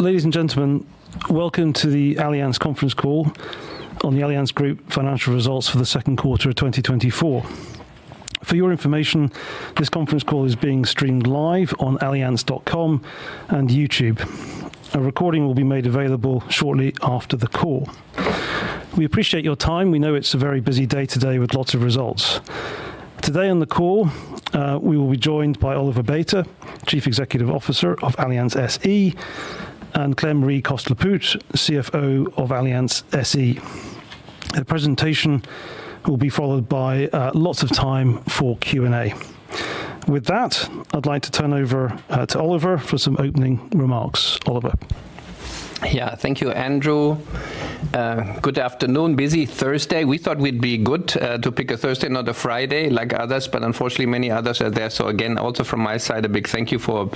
Ladies and gentlemen, welcome to the Allianz conference call on the Allianz Group financial results for the second quarter of 2024. For your information, this conference call is being streamed live on Allianz.com and YouTube. A recording will be made available shortly after the call. We appreciate your time. We know it's a very busy day today with lots of results. Today on the call, we will be joined by Oliver Bäte, Chief Executive Officer of Allianz SE, and Claire-Marie Coste-Lepoutre, CFO of Allianz SE. The presentation will be followed by lots of time for Q&A. With that, I'd like to turn over to Oliver for some opening remarks. Oliver? Yeah. Thank you, Andrew. Good afternoon. Busy Thursday. We thought we'd be good, to pick a Thursday, not a Friday like others, but unfortunately many others are there. So again, also from my side, a big thank you for,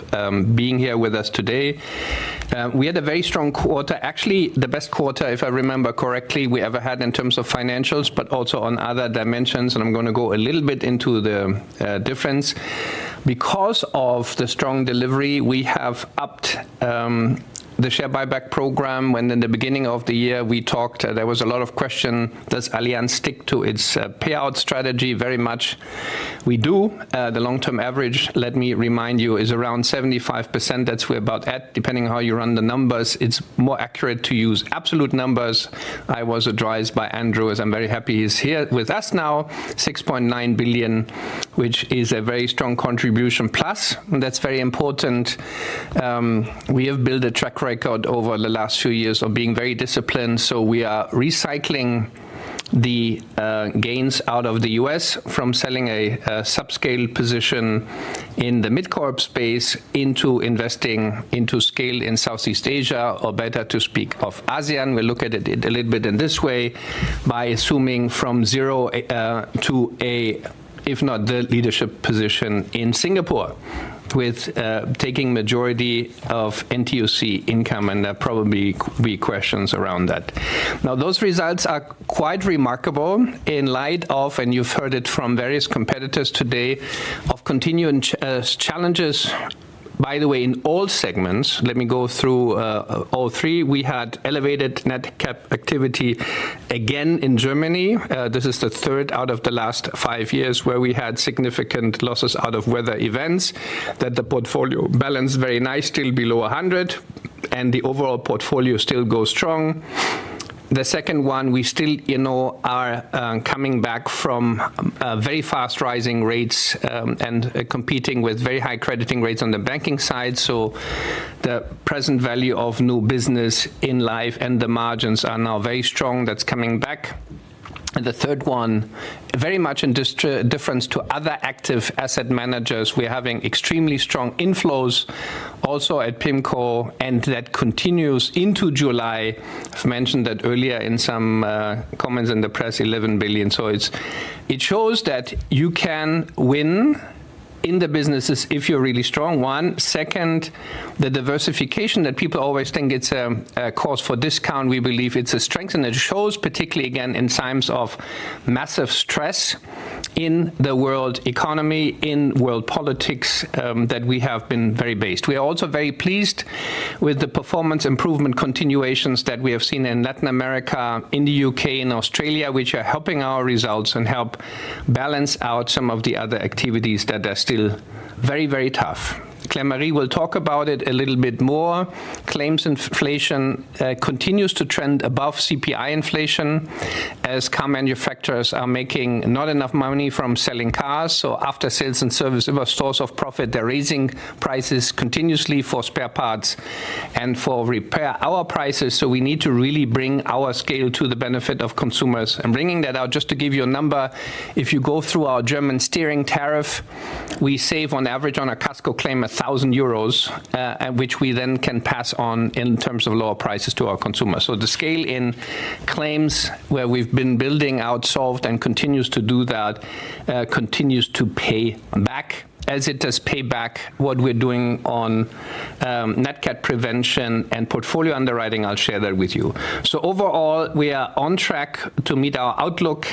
being here with us today. We had a very strong quarter. Actually, the best quarter, if I remember correctly, we ever had in terms of financials, but also on other dimensions, and I'm gonna go a little bit into the, difference. Because of the strong delivery, we have upped, the share buyback program, when in the beginning of the year we talked, there was a lot of question, does Allianz stick to its, payout strategy? Very much we do. The long-term average, let me remind you, is around 75%. That's where we're about at, depending on how you run the numbers. It's more accurate to use absolute numbers. I was advised by Andrew, as I'm very happy he's here with us now, 6.9 billion, which is a very strong contribution. Plus, and that's very important, we have built a track record over the last few years of being very disciplined, so we are recycling the gains out of the U.S. from selling a subscale position in the MidCorp space into investing into scale in Southeast Asia, or better to speak of ASEAN. We look at it a little bit in this way by assuming from zero to a, if not the leadership position in Singapore, with taking majority of NTUC Income, and there'll probably be questions around that. Now, those results are quite remarkable in light of, and you've heard it from various competitors today, of continuing challenges, by the way, in all segments. Let me go through all three. We had elevated Nat Cat activity again in Germany. This is the third out of the last five years where we had significant losses out of weather events, that the portfolio balanced very nice, still below 100, and the overall portfolio still goes strong. The second one, we still, you know, are coming back from very fast rising rates and competing with very high crediting rates on the banking side, so the present value of new business in life and the margins are now very strong. That's coming back. And the third one, very much in difference to other active asset managers, we're having extremely strong inflows also at PIMCO, and that continues into July. I've mentioned that earlier in some comments in the press, 11 billion. So it shows that you can win in the businesses if you're really strong, one. Second, the diversification that people always think it's a cause for discount, we believe it's a strength, and it shows particularly, again, in times of massive stress in the world economy, in world politics, that we have been very stable. We are also very pleased with the performance improvement continuations that we have seen in Latin America, in the U.K., and Australia, which are helping our results and help balance out some of the other activities that are still very, very tough. Claire-Marie will talk about it a little bit more. Claims inflation continues to trend above CPI inflation, as car manufacturers are making not enough money from selling cars, so after sales and service, another source of profit, they're raising prices continuously for spare parts and for repair. Our prices, so we need to really bring our scale to the benefit of consumers. And bringing that out, just to give you a number, if you go through our German Steering Tariff, we save on average on a casco claim, 1,000 euros, which we then can pass on in terms of lower prices to our consumers. So the scale in claims where we've been building out scale, and continues to do that, continues to pay back as it does pay back what we're doing on, Nat Cat prevention and portfolio underwriting. I'll share that with you. So overall, we are on track to meet our outlook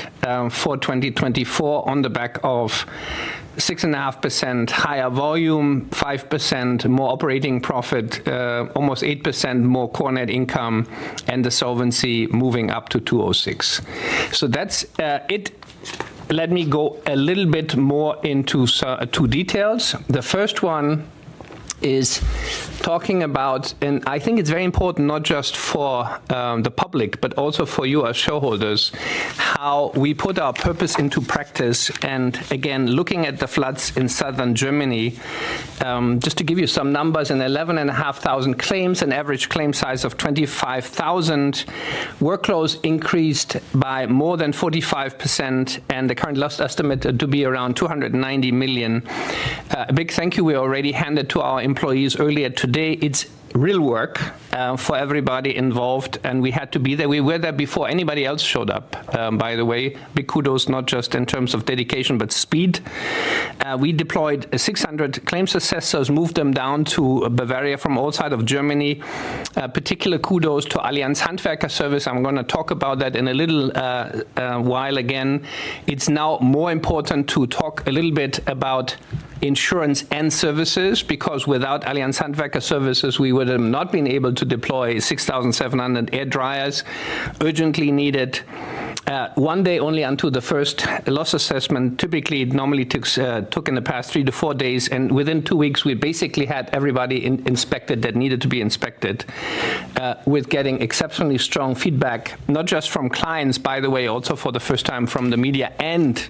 for 2024 on the back of 6.5% higher volume, 5% more operating profit, almost 8% more core net income, and the solvency moving up to 206. So that's it. Let me go a little bit more into Solvency II details. The first one is talking about. I think it's very important, not just for the public, but also for you as shareholders, how we put our purpose into practice. Again, looking at the floods in southern Germany, just to give you some numbers, 11,500 claims, an average claim size of 25,000. Workloads increased by more than 45%, and the current loss estimate to be around 290 million. A big thank you we already handed to our employees earlier today. It's real work for everybody involved, and we had to be there. We were there before anybody else showed up, by the way. Big kudos, not just in terms of dedication, but speed. We deployed 600 claims assessors, moved them down to Bavaria from all sides of Germany. Particular kudos to Allianz Handwerker Services. I'm gonna talk about that in a little while again. It's now more important to talk a little bit about insurance and services, because without Allianz Handwerker Services, we would have not been able to deploy 6,700 air dryers urgently needed one day only until the first loss assessment. Typically, it normally takes, took in the past 3 days-4 days, and within 2 weeks, we basically had everybody inspected that needed to be inspected, with getting exceptionally strong feedback, not just from clients, by the way, also for the first time from the media and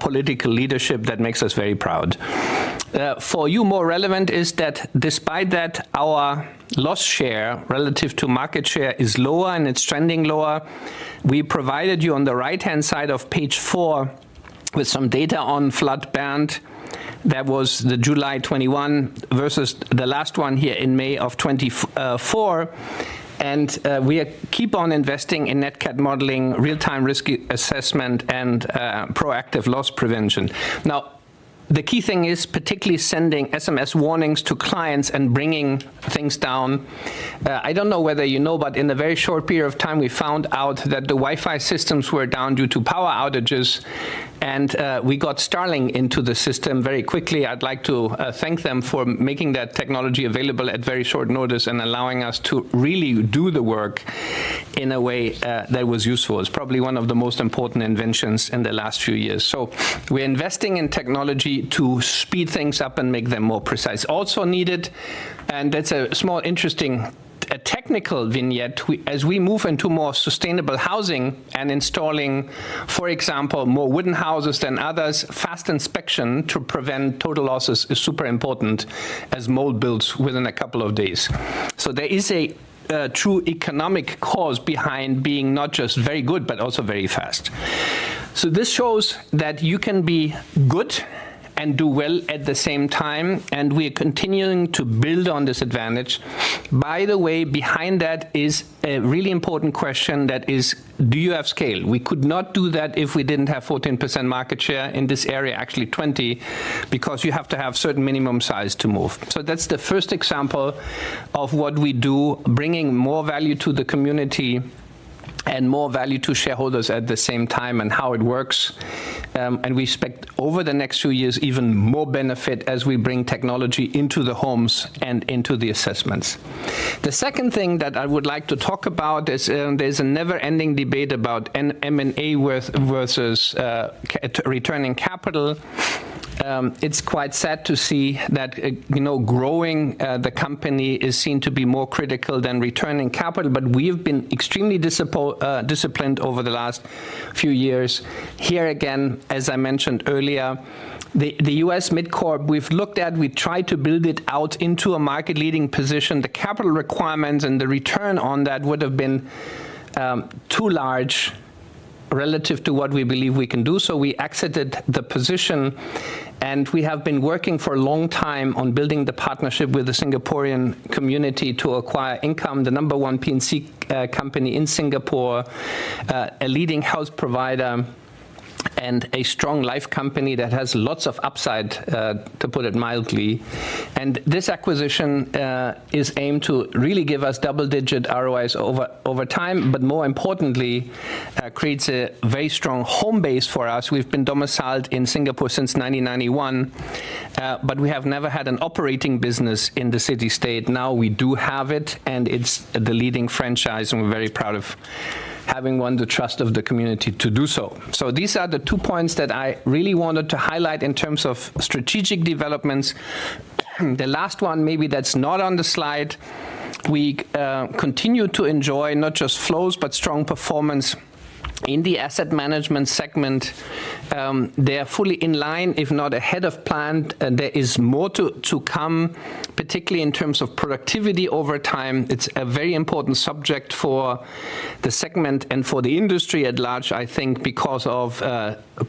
political leadership. That makes us very proud. For you, more relevant is that despite that, our loss share relative to market share is lower, and it's trending lower. We provided you on the right-hand side of page 4 with some data on flood event. That was the July 2021 versus the last one here in May of 2024. We keep on investing in Nat Cat modeling, real-time risk assessment, and proactive loss prevention. Now, the key thing is particularly sending SMS warnings to clients and bringing things down. I don't know whether you know, but in a very short period of time, we found out that the Wi-Fi systems were down due to power outages, and we got Starlink into the system very quickly. I'd like to thank them for making that technology available at very short notice and allowing us to really do the work in a way that was useful. It's probably one of the most important inventions in the last few years. So we're investing in technology to speed things up and make them more precise. Also needed, and that's a small, interesting technical vignette. We as we move into more sustainable housing and installing, for example, more wooden houses than others, fast inspection to prevent total losses is super important as mold builds within a couple of days. So there is a true economic cause behind being not just very good, but also very fast. So this shows that you can be good and do well at the same time, and we are continuing to build on this advantage. By the way, behind that is a really important question, that is, do you have scale? We could not do that if we didn't have 14% market share in this area, actually 20%, because you have to have certain minimum size to move. So that's the first example of what we do, bringing more value to the community and more value to shareholders at the same time, and how it works. And we expect over the next few years, even more benefit as we bring technology into the homes and into the assessments. The second thing that I would like to talk about is there's a never-ending debate about an M&A growth versus returning capital. It's quite sad to see that, you know, growing the company is seen to be more critical than returning capital, but we have been extremely disciplined over the last few years. Here again, as I mentioned earlier, the U.S. MidCorp, we've looked at, we've tried to build it out into a market-leading position. The capital requirements and the return on that would have been too large relative to what we believe we can do, so we exited the position, and we have been working for a long time on building the partnership with the Singaporean community to acquire Income, the number one P&C company in Singapore, a leading health provider and a strong life company that has lots of upside to put it mildly. This acquisition is aimed to really give us double-digit ROIs over time, but more importantly, creates a very strong home base for us. We've been domiciled in Singapore since 1991, but we have never had an operating business in the city-state. Now we do have it, and it's the leading franchise, and we're very proud of having won the trust of the community to do so. So these are the two points that I really wanted to highlight in terms of strategic developments. The last one, maybe that's not on the slide, we continue to enjoy not just flows, but strong performance in Asset Management segment. They are fully in line, if not ahead of plan, and there is more to come, particularly in terms of productivity over time. It's a very important subject for the segment and for the industry at large, I think, because of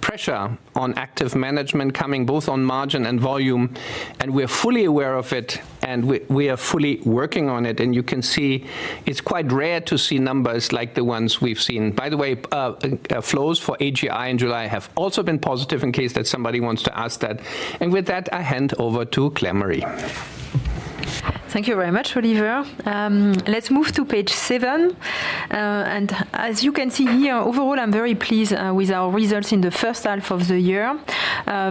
pressure on active management coming both on margin and volume, and we're fully aware of it, and we are fully working on it. And you can see it's quite rare to see numbers like the ones we've seen. By the way, flows for AGI in July have also been positive, in case that somebody wants to ask that. With that, I hand over to Claire-Marie. Thank you very much, Oliver. Let's move to page seven. And as you can see here, overall, I'm very pleased with our results in the first half of the year.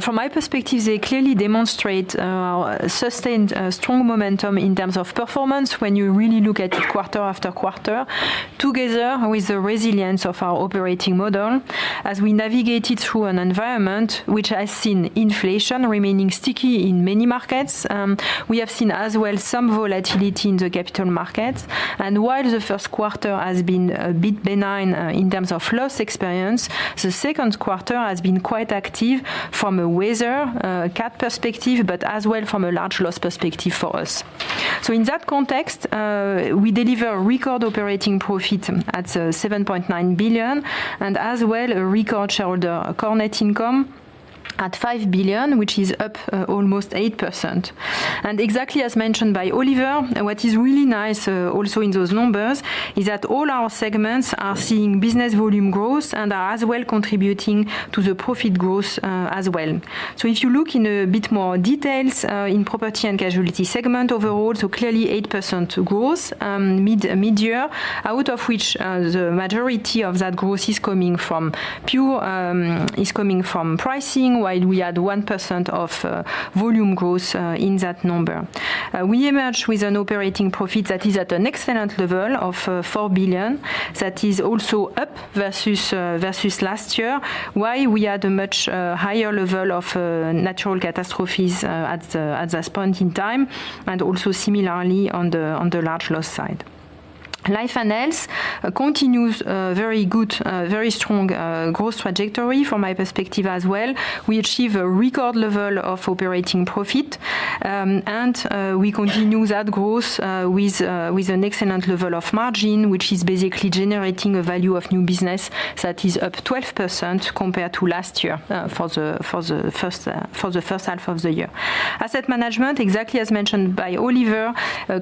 From my perspective, they clearly demonstrate sustained strong momentum in terms of performance when you really look at it quarter after quarter, together with the resilience of our operating model as we navigated through an environment which has seen inflation remaining sticky in many markets. We have seen as well some volatility in the capital markets, and while the first quarter has been a bit benign in terms of loss experience, the second quarter has been quite active from a weather cat perspective, but as well from a large loss perspective for us. So in that context, we deliver record operating profit at 7.9 billion, and as well, a record shareholder core net income at 5 billion, which is up almost 8%. And exactly as mentioned by Oliver, and what is really nice also in those numbers, is that all our segments are seeing business volume growth and are as well contributing to the profit growth, as well. So if you look in a bit more details, in Property and Casualty segment overall, so clearly 8% growth, midyear, out of which the majority of that growth is coming from pricing, while we had 1% of volume growth, in that number. We emerged with an operating profit that is at an excellent level of 4 billion. That is also up versus last year, while we had a much higher level of Natural Catastrophes at this point in time, and also similarly on the large loss side. Life and Health continues very good very strong growth trajectory from my perspective as well. We achieve a record level of operating profit, and we continue that growth with an excellent level of margin, which is basically generating a value of new business that is up 12% compared to last year for the first half of the year. Asset management, exactly as mentioned by Oliver,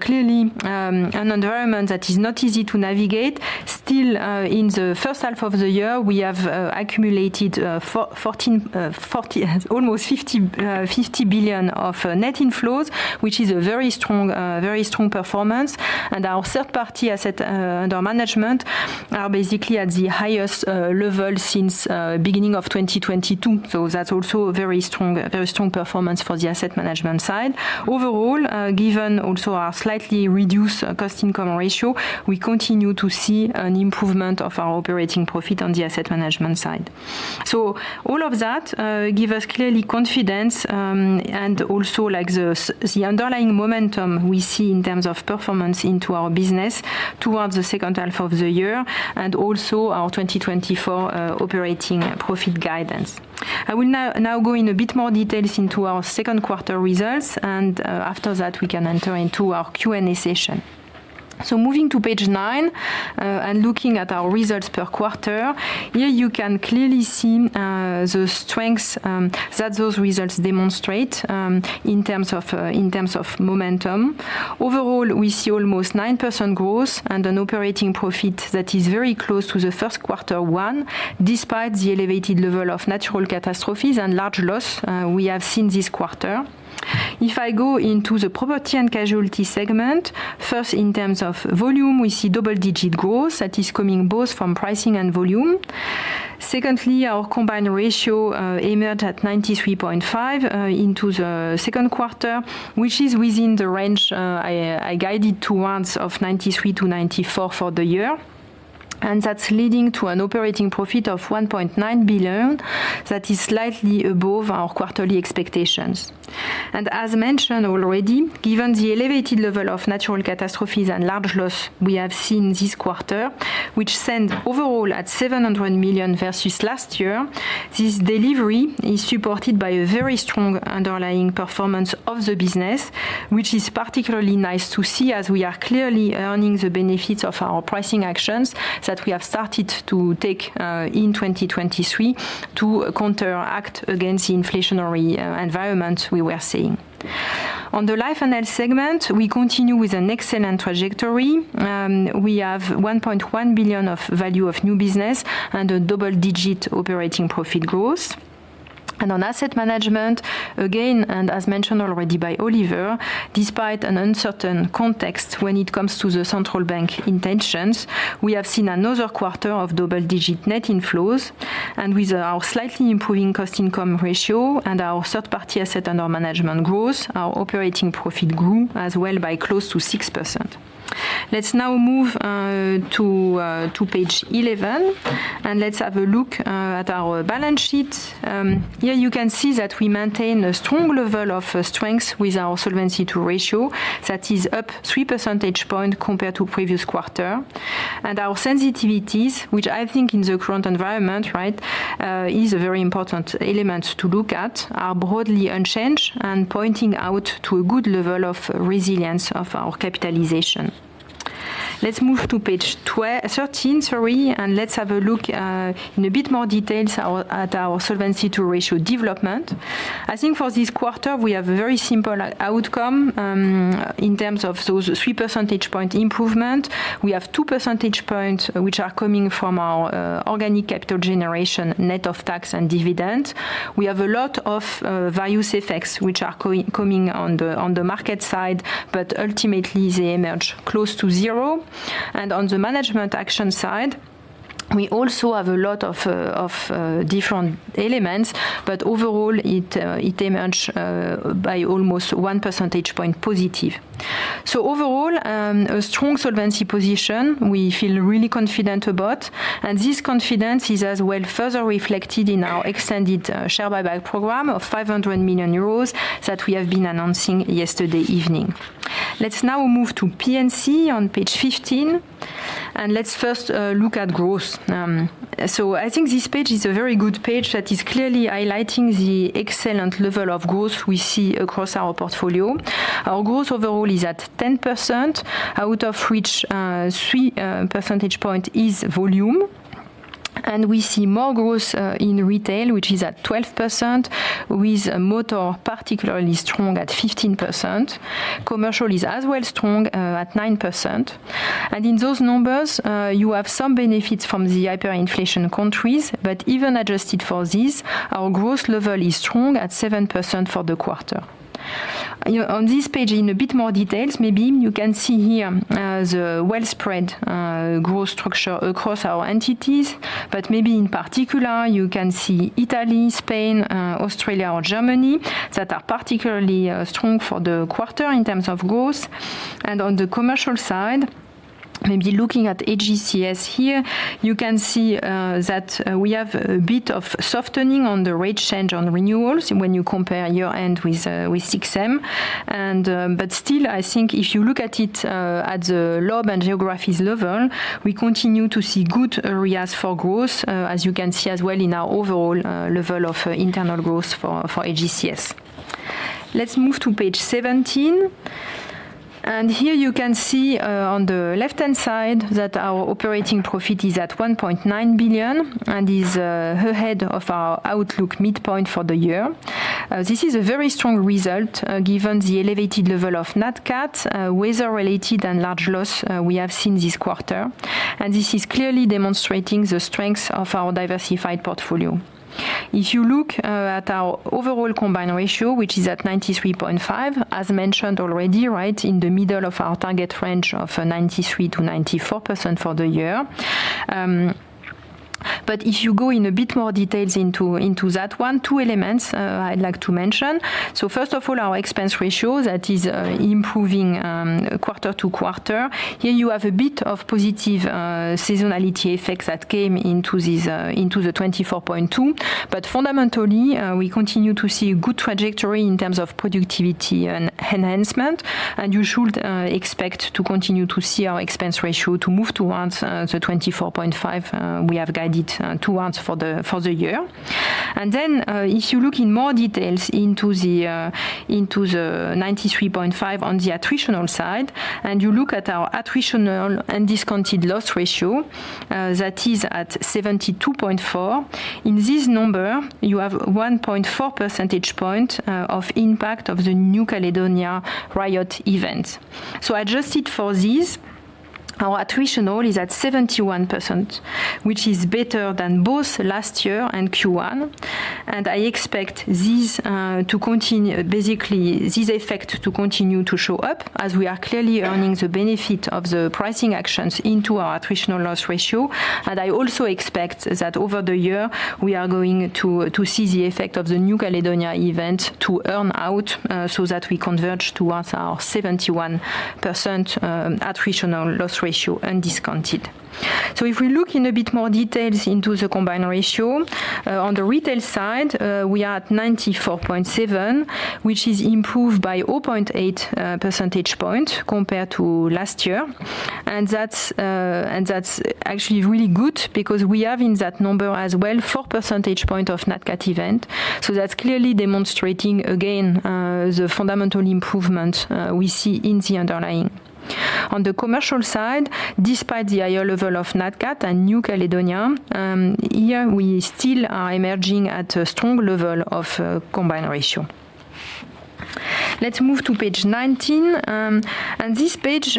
clearly an environment that is not easy to navigate. Still, in the first half of the year, we have accumulated fourteen, forty, almost fifty, fifty billion of net inflows, which is a very strong, very strong performance. And our third-party asset under management are basically at the highest level since beginning of 2022. So that's also a very strong, very strong performance for Asset Management side. Overall, given also our slightly reduced Cost-Income ratio, we continue to see an improvement of our operating profit on Asset Management side. So all of that give us clearly confidence, and also, like, the underlying momentum we see in terms of performance into our business towards the second half of the year and also our 2024 operating profit guidance. I will now go in a bit more details into our second quarter results, and after that, we can enter into our Q&A session. So moving to page nine, and looking at our results per quarter, here you can clearly see the strengths that those results demonstrate in terms of in terms of momentum. Overall, we see almost 9% growth and an operating profit that is very close to the first quarter one, despite the elevated level of natural catastrophes and large loss we have seen this quarter. If I go into the Property and Casualty segment, first, in terms of volume, we see double-digit growth that is coming both from pricing and volume. Secondly, combined ratio emerged at 93.5% in the second quarter, which is within the range I guided to once of 93-94 for the year, and that's leading to an operating profit of 1.9 billion that is slightly above our quarterly expectations. And as mentioned already, given the elevated level of natural catastrophes and large loss we have seen this quarter, which stand overall at 700 million versus last year, this delivery is supported by a very strong underlying performance of the business, which is particularly nice to see as we are clearly earning the benefits of our pricing actions that we have started to take in 2023 to counteract against the inflationary environment we were seeing. On the Life and Health segment, we continue with an excellent trajectory. We have 1.1 billion of value of new business and a double-digit operating profit growth. Asset Management, again, and as mentioned already by Oliver, despite an uncertain context when it comes to the central bank intentions, we have seen another quarter of double-digit net inflows. With our slightly improving Cost-Income ratio and our third-party asset under management growth, our operating profit grew as well by close to 6%. Let's now move to page 11, and let's have a look at our balance sheet. Here you can see that we maintain a strong level of strength with our Solvency II ratio. That is up three percentage point compared to previous quarter. And our sensitivities, which I think in the current environment, right, is a very important element to look at, are broadly unchanged and pointing out to a good level of resilience of our capitalization. Let's move to page 13, sorry, and let's have a look in a bit more detail at our Solvency II ratio development. I think for this quarter, we have a very simple outcome in terms of those three percentage point improvement. We have two percentage points which are coming from our organic capital generation, net of tax and dividend. We have a lot of value effects, which are coming on the market side, but ultimately, they emerge close to zero. And on the management action side, we also have a lot of, of, different elements, but overall it, it emerged, by almost one percentage point positive. So overall, a strong solvency position we feel really confident about, and this confidence is as well further reflected in our extended, share buyback program of 500 million euros that we have been announcing yesterday evening. Let's now move to P&C on page 15, and let's first, look at growth. So I think this page is a very good page that is clearly highlighting the excellent level of growth we see across our portfolio. Our growth overall is at 10%, out of which, 3, percentage point is volume, and we see more growth, in retail, which is at 12%, with motor particularly strong at 15%. Commercial is as well strong at 9%. In those numbers, you have some benefits from the hyperinflation countries, but even adjusted for this, our growth level is strong at 7% for the quarter. You know, on this page, in a bit more details, maybe you can see here the well-spread growth structure across our entities, but maybe in particular, you can see Italy, Spain, Australia, or Germany, that are particularly strong for the quarter in terms of growth. On the commercial side. Maybe looking at AGCS here, you can see that we have a bit of softening on the rate change on renewals when you compare year-end with 6M. But still, I think if you look at it, at the LoB and geographies level, we continue to see good areas for growth, as you can see as well in our overall level of internal growth for AGCS. Let's move to page 17. Here you can see, on the left-hand side, that our operating profit is at 1.9 billion and is ahead of our outlook midpoint for the year. This is a very strong result, given the elevated level of Nat Cat, weather-related and large loss we have seen this quarter, and this is clearly demonstrating the strength of our diversified portfolio. If you look at our overall combined ratio, which is at 93.5%, as mentioned already, right in the middle of our target range of 93%-94% for the year. But if you go in a bit more details into that, two elements, I'd like to mention. So first of all, our Expense Ratio, that is improving quarter to quarter. Here you have a bit of positive seasonality effects that came into this 24.2%. But fundamentally, we continue to see a good trajectory in terms of productivity and enhancement, and you should expect to continue to see our Expense Ratio to move towards the 24.5%. We have guided towards for the year. Then, if you look in more detail into the 93.5 on the attritional side, and you look at our attritional and discounted loss ratio, that is at 72.4. In this number, you have 1.4 percentage point of impact of the New Caledonia riot event. So adjusted for this, our attritional is at 71%, which is better than both last year and Q1. I expect this to continue... basically, this effect to continue to show up, as we are clearly earning the benefit of the pricing actions into our attritional loss ratio. I also expect that over the year, we are going to see the effect of the New Caledonia event to earn out, so that we converge towards our 71% attritional loss ratio and discounted. So if we look in a bit more detail into combined ratio on the retail side, we are at 94.7, which is improved by 0.8 percentage point compared to last year. And that's actually really good because we have in that number as well 4 percentage point of Nat Cat event. So that's clearly demonstrating again the fundamental improvement we see in the underlying. On the commercial side, despite the higher level of Nat Cat and New Caledonia, here we still are emerging at a strong level combined ratio. Let's move to page 19. And this page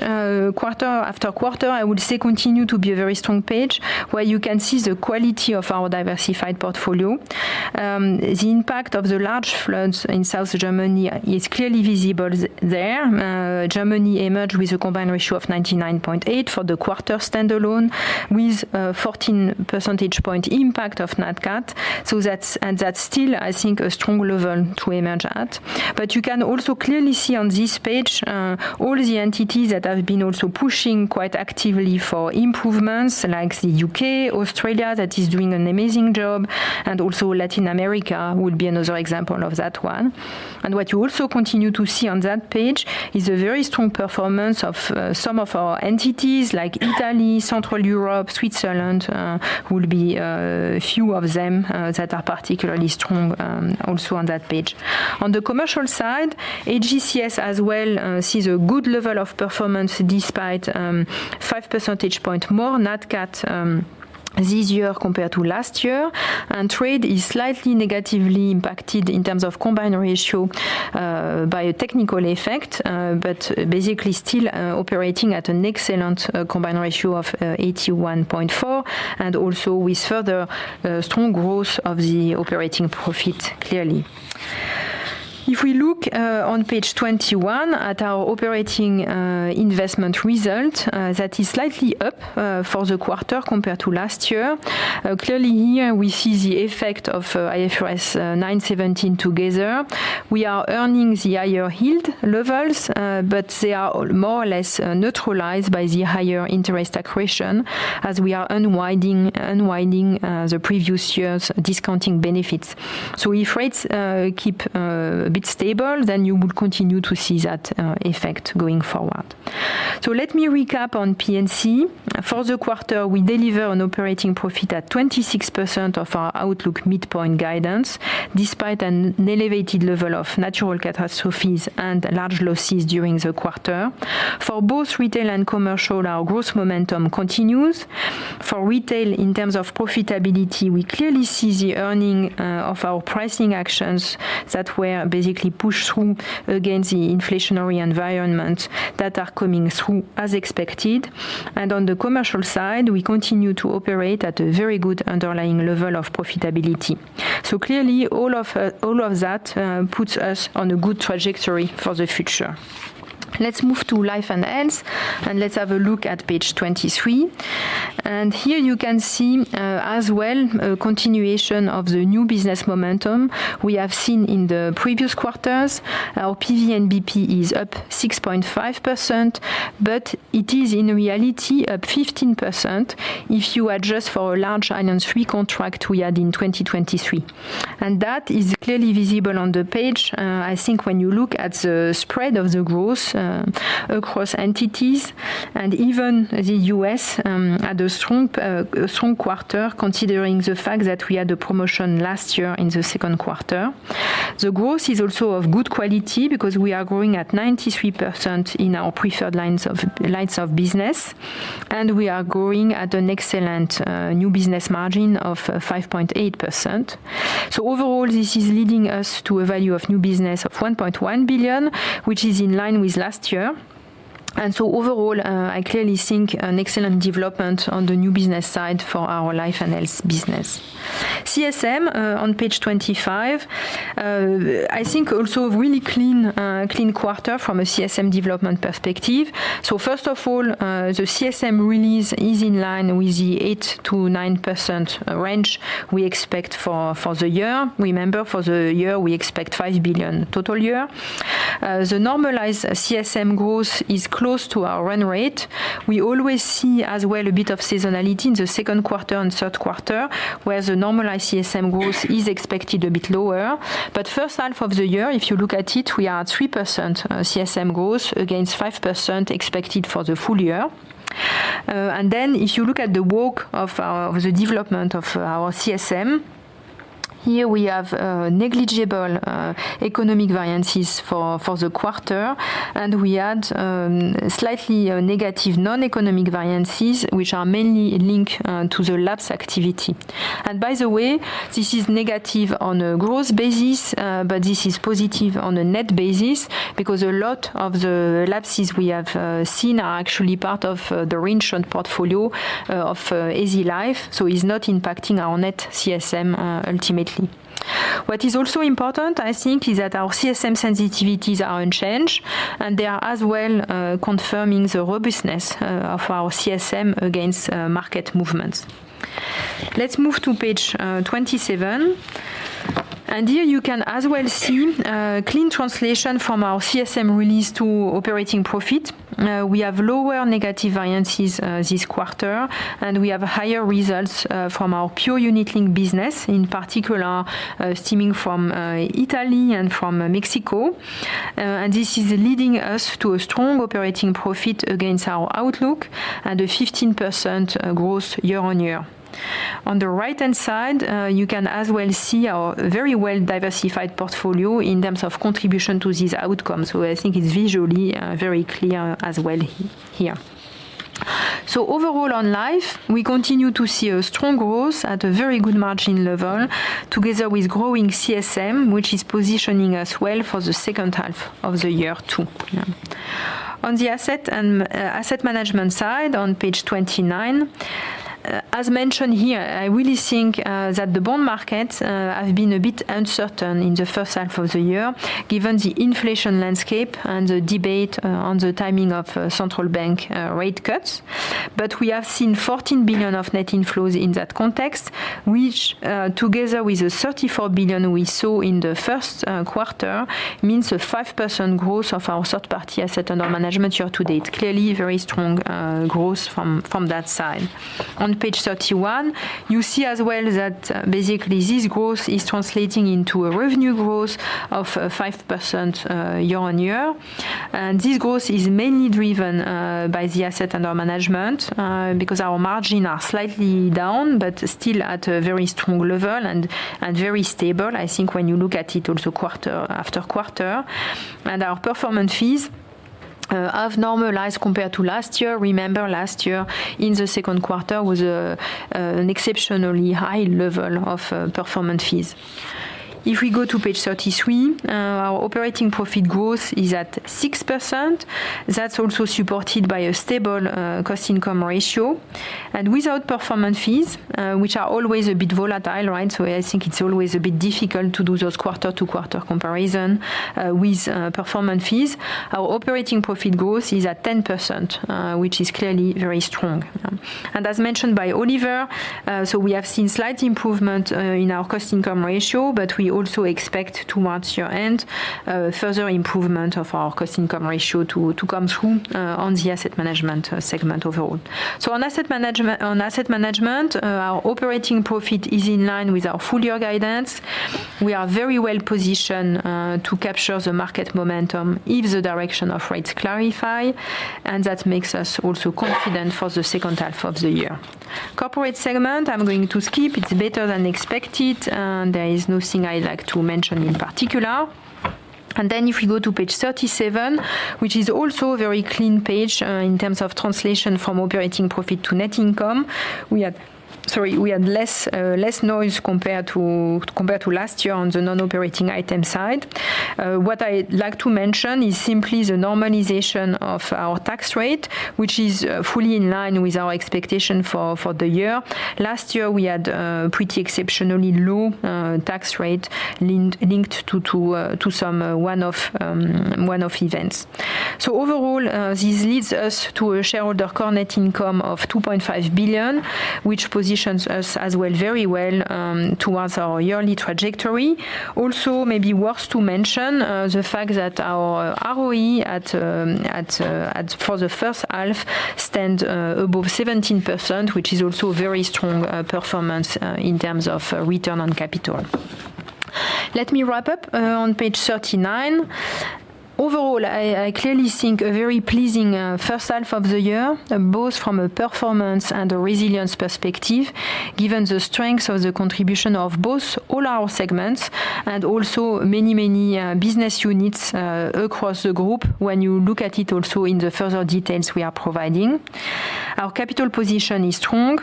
quarter after quarter, I would say, continues to be a very strong page, where you can see the quality of our diversified portfolio. The impact of the large floods in South Germany is clearly visible there. Germany emerged with combined ratio of 99.8 for the quarter standalone, with, fourteen percentage point impact of Nat Cat. So that's and that's still, I think, a strong level to emerge at. But you can also clearly see on this page, all the entities that have been also pushing quite actively for improvements, like the U.K., Australia, that is doing an amazing job, and also Latin America would be another example of that one. And what you also continue to see on that page is a very strong performance of, some of our entities like Italy, Central Europe, Switzerland, will be, a few of them, that are particularly strong, also on that page. On the commercial side, AGCS as well sees a good level of performance despite 5 percentage points more Nat Cat this year compared to last year. Trade is slightly negatively impacted in terms combined ratio by a technical effect, but basically still operating at an combined ratio of 81.4, and also with further strong growth of the operating profit, clearly. If we look on page 21 at our operating investment result, that is slightly up for the quarter compared to last year. Clearly here, we see the effect of IFRS 9/17 together. We are earning the higher yield levels, but they are more or less neutralized by the higher interest accretion as we are unwinding the previous year's discounting benefits. So if rates keep a bit stable, then you will continue to see that effect going forward. So let me recap on P&C. For the quarter, we deliver an operating profit at 26% of our outlook midpoint guidance, despite an elevated level of natural catastrophes and large losses during the quarter. For both retail and commercial, our growth momentum continues. For retail, in terms of profitability, we clearly see the earning of our pricing actions that were basically pushed through against the inflationary environment that are coming through as expected. And on the commercial side, we continue to operate at a very good underlying level of profitability. So clearly, all of that puts us on a good trajectory for the future. Let's move to Life and Health, and let's have a look at page 23. And here you can see, as well, a continuation of the new business momentum we have seen in the previous quarters. Our PVNBP is up 6.5%, but it is in reality up 15% if you adjust for a large annuity treaty contract we had in 2023. And that is clearly visible on the page. I think when you look at the spread of the growth, across entities and even the U.S. had a strong, strong quarter, considering the fact that we had a promotion last year in the second quarter. The growth is also of good quality because we are growing at 93% in our preferred lines of business, and we are growing at an excellent new business margin of 5.8%. So overall, this is leading us to a value of new business of 1.1 billion, which is in line with last year. And so overall, I clearly think an excellent development on the new business side for our Life and Health business. CSM, on page 25, I think also a really clean, clean quarter from a CSM development perspective. So first of all, the CSM release is in line with the 8%-9% range we expect for the year. Remember, for the year, we expect 5 billion total year. The normalized CSM growth is close to our run rate. We always see as well, a bit of seasonality in the second quarter and third quarter, where the normalized CSM growth is expected a bit lower. But first half of the year, if you look at it, we are at 3% CSM growth against 5% expected for the full year. And then if you look at the work of the development of our CSM, here we have negligible economic variances for the quarter, and we had slightly negative noneconomic variances, which are mainly linked to the lapse activity. And by the way, this is negative on a growth basis, but this is positive on a net basis because a lot of the lapses we have seen are actually part of the range and portfolio of AZ Life, so it's not impacting our net CSM ultimately. What is also important, I think, is that our CSM sensitivities are unchanged, and they are as well confirming the robustness of our CSM against market movements. Let's move to page 27. And here you can as well see clean translation from our CSM release to operating profit. We have lower negative variances this quarter, and we have higher results from our pure unit link business, in particular, stemming from Italy and from Mexico. And this is leading us to a strong operating profit against our outlook and a 15% growth year-on-year. On the right-hand side, you can as well see our very well-diversified portfolio in terms of contribution to these outcomes, so I think it's visually very clear as well here. So overall, on Life, we continue to see a strong growth at a very good margin level, together with growing CSM, which is positioning us well for the second half of the year, too. On Asset Management side, on page 29, as mentioned here, I really think that the bond markets have been a bit uncertain in the first half of the year, given the inflation landscape and the debate on the timing of central bank rate cuts. But we have seen 14 billion of net inflows in that context, which together with the 34 billion we saw in the first quarter, means a 5% growth of our third-party assets under management year to date. Clearly, very strong growth from that side. On page 31, you see as well that basically, this growth is translating into a revenue growth of 5%, year-on-year. This growth is mainly driven by the asset under management, because our margin are slightly down, but still at a very strong level and very stable, I think, when you look at it also quarter after quarter. Our performance fees have normalized compared to last year. Remember, last year, in the second quarter, was an exceptionally high level of performance fees. If we go to page 33, our operating profit growth is at 6%. That's also supported by a stable Cost-Income ratio. Without performance fees, which are always a bit volatile, right? So I think it's always a bit difficult to do those quarter-to-quarter comparison with performance fees. Our operating profit growth is at 10%, which is clearly very strong. And as mentioned by Oliver, so we have seen slight improvement in our Cost-Income ratio, but we also expect towards year-end, further improvement of our Cost-Income ratio to come through on Asset Management segment overall. So Asset Management, our operating profit is in line with our full-year guidance. We are very well positioned to capture the market momentum if the direction of rates clarify, and that makes us also confident for the second half of the year. Corporate segment, I'm going to skip. It's better than expected, and there is nothing I'd like to mention in particular. And then if you go to page 37, which is also a very clean page, in terms of translation from operating profit to net income, we had... Sorry, we had less noise compared to last year on the non-operating item side. What I'd like to mention is simply the normalization of our tax rate, which is fully in line with our expectation for the year. Last year, we had pretty exceptionally low tax rate linked to some one-off events. So overall, this leads us to a shareholder core net income of 2.5 billion, which positions us as well, very well, towards our yearly trajectory. Also, maybe worth to mention the fact that our ROE at for the first half stands above 17%, which is also very strong performance in terms of return on capital. Let me wrap up on page 39. Overall, I clearly think a very pleasing first half of the year, both from a performance and a resilience perspective, given the strength of the contribution of both all our segments and also many, many business units across the group, when you look at it also in the further details we are providing. Our capital position is strong.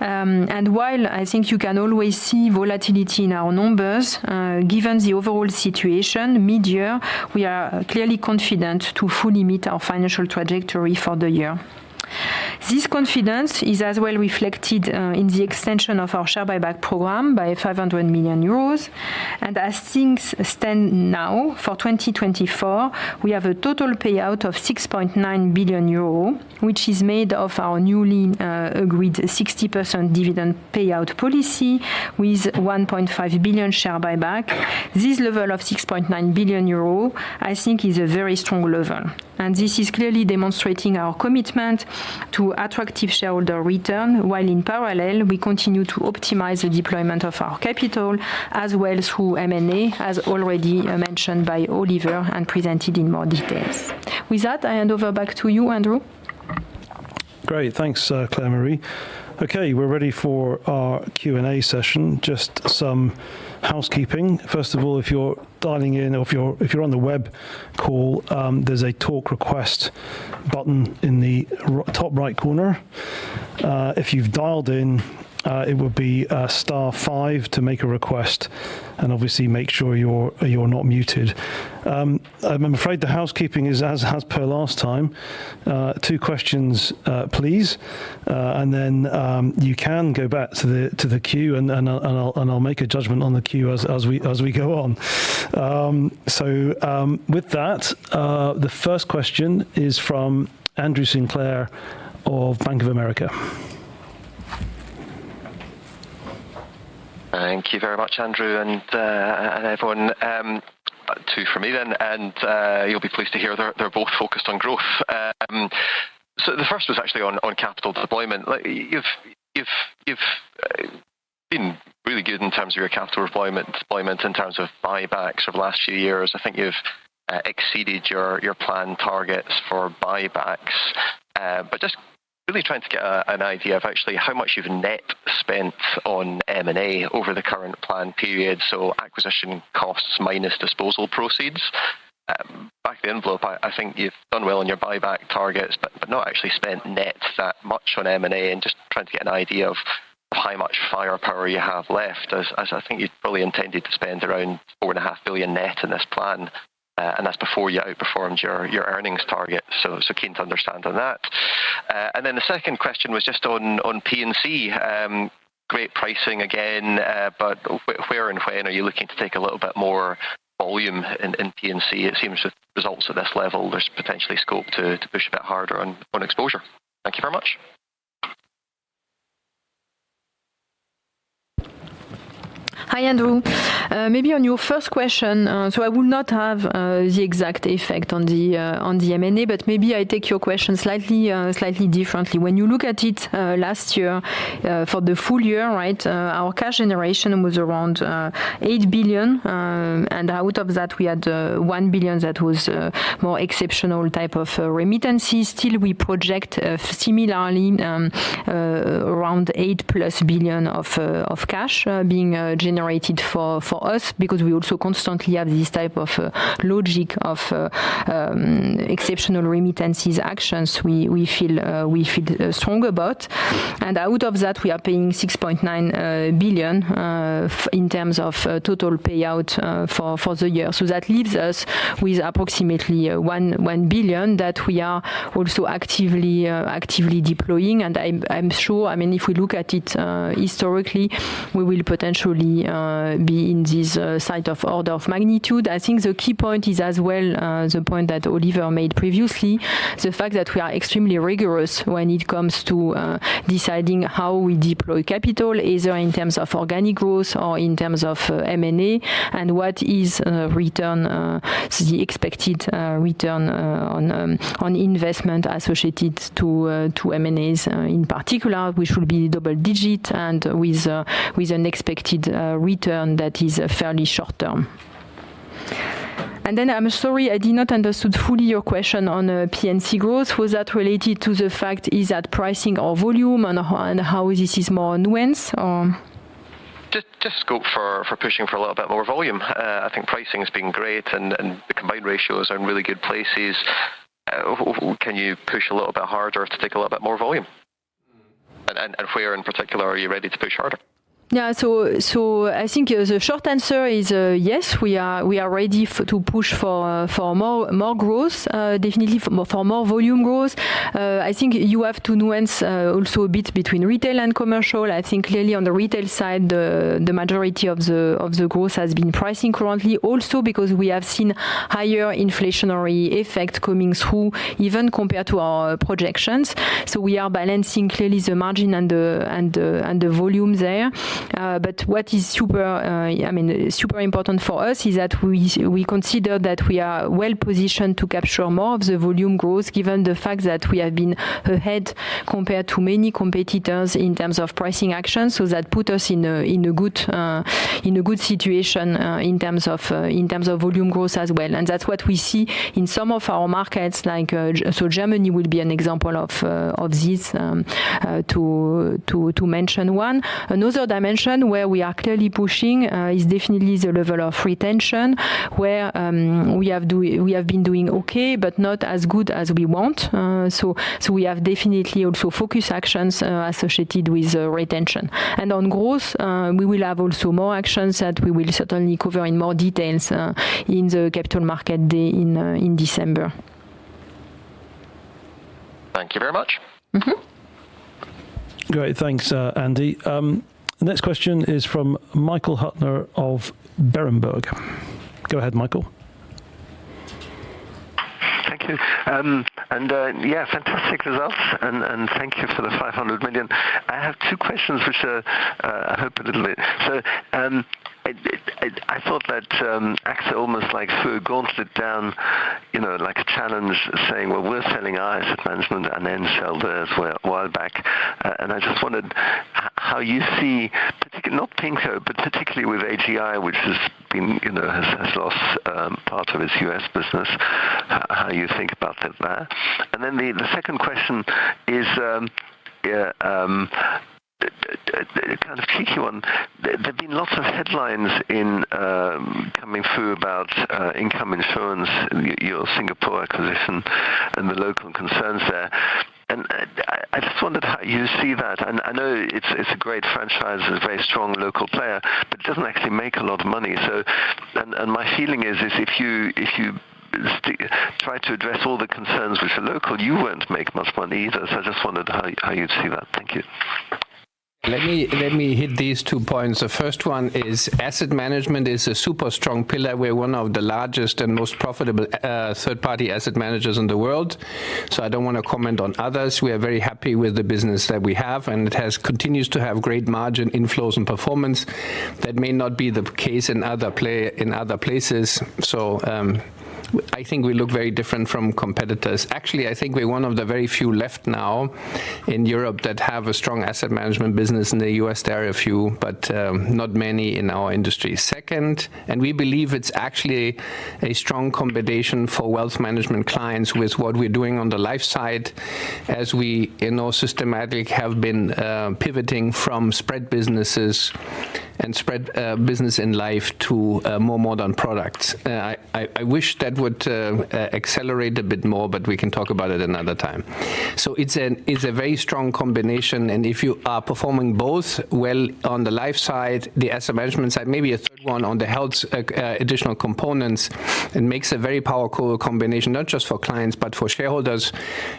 And while I think you can always see volatility in our numbers, given the overall situation, mid-year, we are clearly confident to fully meet our financial trajectory for the year. This confidence is as well reflected in the extension of our share buyback program by 500 million euros. And as things stand now, for 2024, we have a total payout of 6.9 billion euro, which is made of our newly agreed 60% dividend payout policy, with 1.5 billion share buyback. This level of 6.9 billion euro, I think, is a very strong level, and this is clearly demonstrating our commitment to attractive shareholder return, while in parallel, we continue to optimize the deployment of our capital, as well as through M&A, as already mentioned by Oliver and presented in more details. With that, I hand over back to you, Andrew. Great. Thanks, Claire-Marie. Okay, we're ready for our Q&A session. Just some housekeeping. First of all, if you're dialing in, or if you're on the web call, there's a talk request button in the top right corner. If you've dialed in, it would be star five to make a request, and obviously make sure you're not muted. I'm afraid the housekeeping is as per last time, two questions, please. And then you can go back to the queue, and then I'll make a judgment on the queue as we go on. So, with that, the first question is from Andrew Sinclair of Bank of America. Thank you very much, Andrew and, and everyone. Two from me then, and you'll be pleased to hear they're both focused on growth. So the first was actually on capital deployment. Like, you've been really good in terms of your capital deployment in terms of buybacks over last few years. I think you've exceeded your plan targets for buybacks. But just really trying to get an idea of actually how much you've net spent on M&A over the current plan period, so acquisition costs minus disposal proceeds. Back of the envelope, I think you've done well on your buyback targets, but not actually spent net that much on M&A, and just trying to get an idea of how much firepower you have left. As I think you probably intended to spend around 4.5 billion net in this plan, and that's before you outperformed your earnings target. So keen to understand on that. And then the second question was just on P&C. Great pricing again, but where and when are you looking to take a little bit more volume in P&C? It seems with results at this level, there's potentially scope to push a bit harder on exposure. Thank you very much. Hi, Andrew. Maybe on your first question, so I would not have the exact effect on the on the M&A, but maybe I take your question slightly slightly differently. When you look at it, last year, for the full year, right, our cash generation was around 8 billion. And out of that, we had 1 billion that was more exceptional type of remittances. Still, we project similarly around 8+ billion of of cash being generated for for us, because we also constantly have this type of logic of exceptional remittances actions, we we feel we feel strong about. And out of that, we are paying 6.9 billion in terms of total payout for for the year. So that leaves us with approximately 1 billion that we are also actively deploying. And I'm sure, I mean, if we look at it historically, we will potentially be in this site of order of magnitude. I think the key point is as well the point that Oliver made previously, the fact that we are extremely rigorous when it comes to deciding how we deploy capital, either in terms of organic growth or in terms of M&A, and what is return the expected return on on investment associated to to M&As in particular, which will be double digit and with with an expected return that is fairly short term. And then, I'm sorry, I did not understood fully your question on P&C growth. Was that related to the fact, is that pricing or volume and, and how this is more nuanced, or? Just scope for pushing for a little bit more volume. I think pricing has been great and combined ratios are in really good places. Can you push a little bit harder to take a little bit more volume? And where in particular are you ready to push harder? ... Yeah, so I think the short answer is, yes, we are ready to push for more growth, definitely for more volume growth. I think you have to nuance also a bit between retail and commercial. I think clearly on the retail side, the majority of the growth has been pricing currently. Also, because we have seen higher inflationary effect coming through even compared to our projections. So we are balancing clearly the margin and the volume there. But what is super, I mean, super important for us, is that we consider that we are well positioned to capture more of the volume growth, given the fact that we have been ahead compared to many competitors in terms of pricing actions. So that put us in a good situation in terms of volume growth as well. And that's what we see in some of our markets, like, so Germany would be an example of this, to mention one. Another dimension where we are clearly pushing is definitely the level of retention, where we have been doing okay, but not as good as we want. So we have definitely also focus actions associated with retention. And on growth, we will have also more actions that we will certainly cover in more details in the capital market day in December. Thank you very much. Mm-hmm. Great. Thanks, Andy. The next question is from Michael Huttner of Berenberg. Go ahead, Michael. Thank you. And yeah, fantastic results, and thank you for the 500 million. I have two questions, which are, I hope a little bit. So, I thought that AXA almost like threw a gauntlet down, you know, like a challenge, saying: Well, we're Asset Management and then sell theirs a while back. And I just wondered how you see, particularly, not PIMCO, but particularly with AGI, which has been, you know, has lost part of its U.S. business, how you think about that there? And then the second question is, yeah, kind of a tricky one. There's been lots of headlines coming through about Income Insurance, your Singapore acquisition and the local concerns there. And I just wondered how you see that? And I know it's a great franchise and a very strong local player, but it doesn't actually make a lot of money. So... And my feeling is if you try to address all the concerns which are local, you won't make much money either. So I just wondered how you'd see that. Thank you. Let me, let me hit these two points. The first Asset Management is a super strong pillar. We're one of the largest and most profitable third-party asset managers in the world, so I don't want to comment on others. We are very happy with the business that we have, and it has continues to have great margin inflows and performance. That may not be the case in other play, in other places. So, I think we look very different from competitors. Actually, I think we're one of the very few left now in Europe that have a Asset Management business. In the U.S., there are a few, but not many in our industry. Second, and we believe it's actually a strong combination for wealth management clients with what we're doing on the life side, as we in Allianz systematically have been pivoting from spread businesses and spread business in life to more modern products. I wish that would accelerate a bit more, but we can talk about it another time. So it's it's a very strong combination, and if you are performing both well on the life Asset Management side, maybe a third one on the health additional components, it makes a very powerful combination, not just for clients, but for shareholders.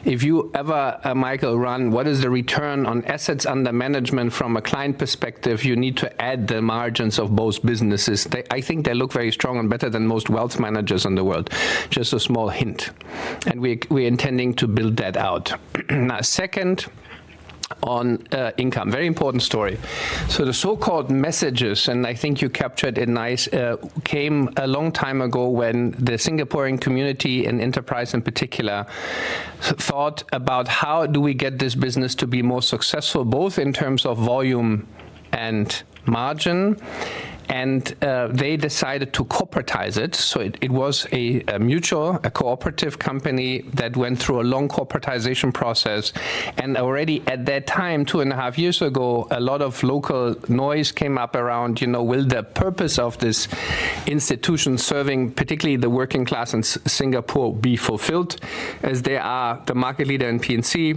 If you ever, Michael, run what is the return on assets under management from a client perspective, you need to add the margins of both businesses. I think they look very strong and better than most wealth managers in the world. Just a small hint, and we're intending to build that out. Now, second, on Income, very important story. So the so-called messages, and I think you captured it nice, came a long time ago when the Singaporean community and NTUC Enterprise, in particular, thought about: How do we get this business to be more successful, both in terms of volume and margin? And they decided to corporatize it. So it was a mutual, a cooperative company that went through a long corporatization process, and already at that time, 2.5 years ago, a lot of local noise came up around, you know, will the purpose of this institution serving, particularly the working class in Singapore, be fulfilled? As they are the market leader in P&C,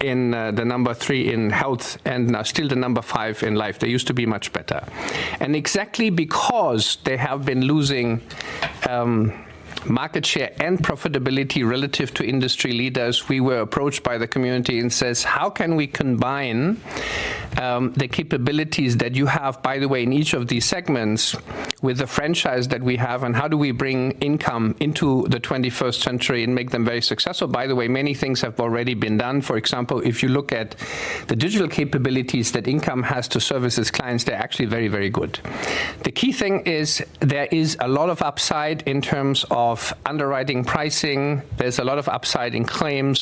and the number 3 in Health, and are still the number 5 in Life. They used to be much better. Exactly because they have been losing market share and profitability relative to industry leaders, we were approached by the community and says: How can we combine the capabilities that you have, by the way, in each of these segments, with the franchise that we have, and how do we bring Income into the 21st century and make them very successful? By the way, many things have already been done. For example, if you look at the digital capabilities that Income has to service clients, they're actually very, very good. The key thing is there is a lot of upside in terms of underwriting pricing, there's a lot of upside in claims,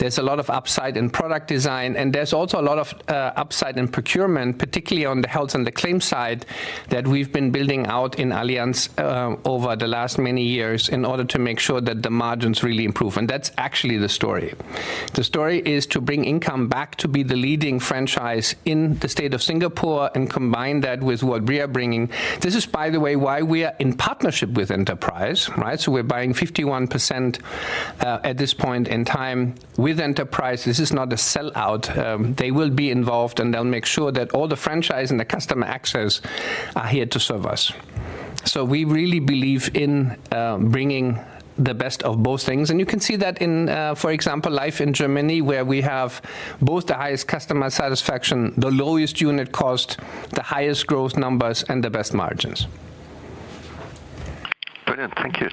there's a lot of upside in product design, and there's also a lot of upside in procurement, particularly on the health and the claim side, that we've been building out in Allianz over the last many years in order to make sure that the margins really improve. And that's actually the story. The story is to bring income back to be the leading franchise in the state of Singapore and combine that with what we are bringing. This is, by the way, why we are in partnership with Enterprise, right? So we're buying 51% at this point in time, with Enterprise, this is not a sellout. They will be involved, and they'll make sure that all the franchise and the customer access are here to serve us. So we really believe in bringing the best of both things, and you can see that in, for example, life in Germany, where we have both the highest customer satisfaction, the lowest unit cost, the highest growth numbers, and the best margins. Brilliant. Thank you.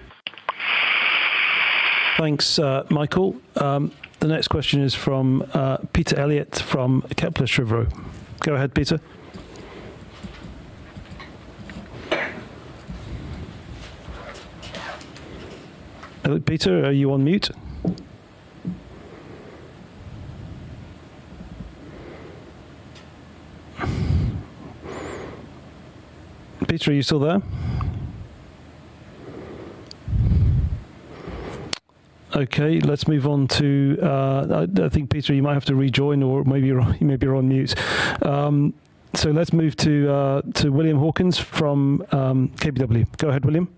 Thanks, Michael. The next question is from Peter Eliot from Kepler Cheuvreux. Go ahead, Peter. Peter, are you on mute? Peter, are you still there? Okay, let's move on. I think, Peter, you might have to rejoin, or maybe you may be on mute. So let's move to William Hawkins from KBW. Go ahead, William.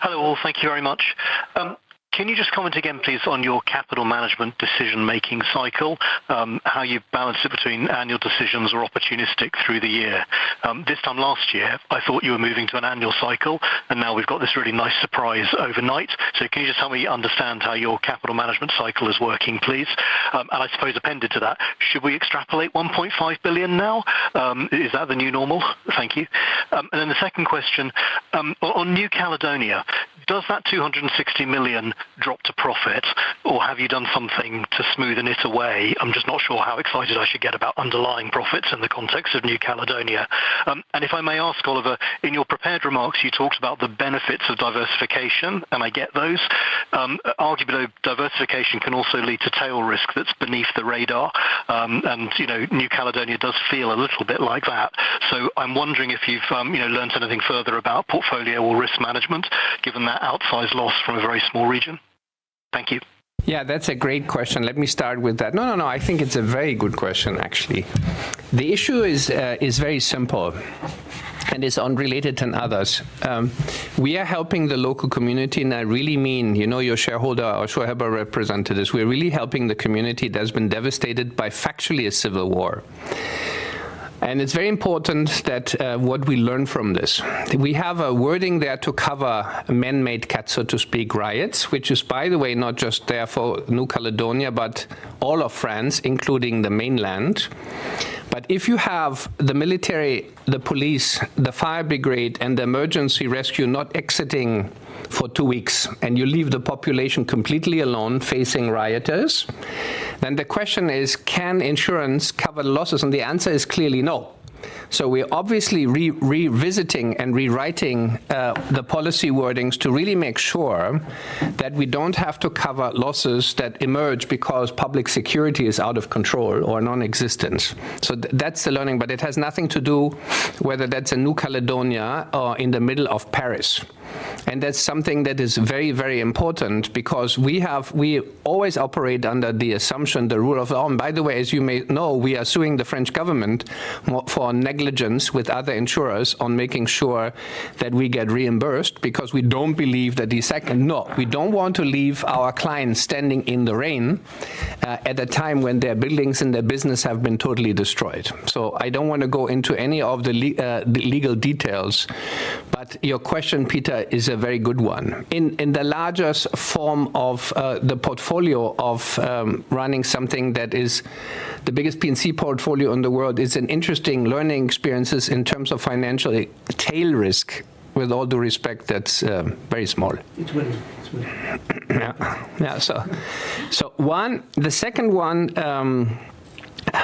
Hello, all. Thank you very much. Can you just comment again, please, on your capital management decision-making cycle, how you've balanced it between annual decisions or opportunistic through the year? This time last year, I thought you were moving to an annual cycle, and now we've got this really nice surprise overnight. So can you just help me understand how your capital management cycle is working, please? And I suppose appended to that, should we extrapolate 1.5 billion now? Is that the new normal? Thank you. And then the second question, on New Caledonia, does that 260 million drop to profit, or have you done something to smoothen it away? I'm just not sure how excited I should get about underlying profits in the context of New Caledonia. And if I may ask, Oliver, in your prepared remarks, you talked about the benefits of diversification, and I get those. Arguably, diversification can also lead to tail risk that's beneath the radar. And, you know, New Caledonia does feel a little bit like that. I'm wondering if you've, you know, learned anything further about portfolio or risk management, given that outsized loss from a very small region. Thank you. Yeah, that's a great question. Let me start with that. No, no, no, I think it's a very good question, actually. The issue is very simple, and it's unrelated to others. We are helping the local community, and I really mean, you know, your shareholder, or shareholder representative. We're really helping the community that's been devastated by factually a civil war. And it's very important that what we learn from this. We have a wording there to cover man-made cat, so to speak, riots, which is, by the way, not just there for New Caledonia, but all of France, including the mainland. But if you have the military, the police, the fire brigade, and the emergency rescue not exiting for two weeks, and you leave the population completely alone, facing rioters, then the question is: Can insurance cover losses? And the answer is clearly no. So we're obviously revisiting and rewriting the policy wordings to really make sure that we don't have to cover losses that emerge because public security is out of control or nonexistent. So that's the learning, but it has nothing to do whether that's in New Caledonia or in the middle of Paris. And that's something that is very, very important because we have, we always operate under the assumption, the rule of law. By the way, as you may know, we are suing the French government for negligence with other insurers on making sure that we get reimbursed because we don't want to leave our clients standing in the rain at the time when their buildings and their business have been totally destroyed. So I don't want to go into any of the legal details, but your question, Peter, is a very good one. In the largest form of the portfolio of running something that is the biggest P&C portfolio in the world, it's an interesting learning experiences in terms of financially tail risk, with all due respect, that's very small. It's William. It's William. Yeah. Yeah, so, the second one,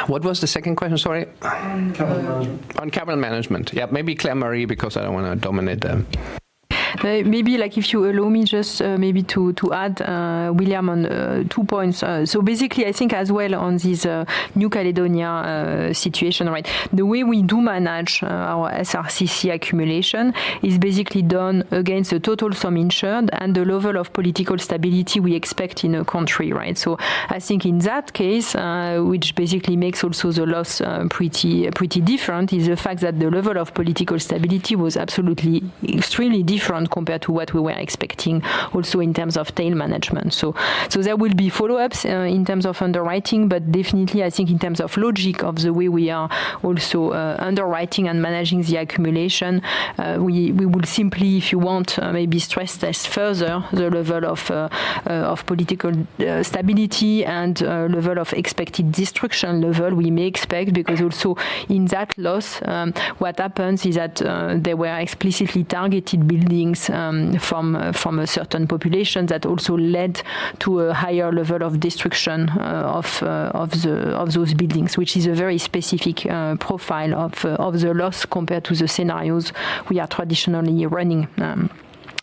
what was the second question? Sorry. On capital management. On capital management. Yeah, maybe Claire-Marie, because I don't want to dominate them. Maybe, like, if you allow me just, maybe to add, William, on two points. So basically, I think as well on this, New Caledonia, situation, right? The way we do manage our SRCC accumulation is basically done against the total sum insured and the level of political stability we expect in a country, right? So I think in that case, which basically makes also the loss, pretty, pretty different, is the fact that the level of political stability was absolutely extremely different compared to what we were expecting also in terms of tail management. So there will be follow-ups in terms of underwriting, but definitely I think in terms of logic of the way we are also underwriting and managing the accumulation, we will simply, if you want, maybe stress test further the level of political stability and level of expected destruction level we may expect, because also in that loss, what happens is that there were explicitly targeted buildings from a certain population that also led to a higher level of destruction of those buildings, which is a very specific profile of the loss compared to the scenarios we are traditionally running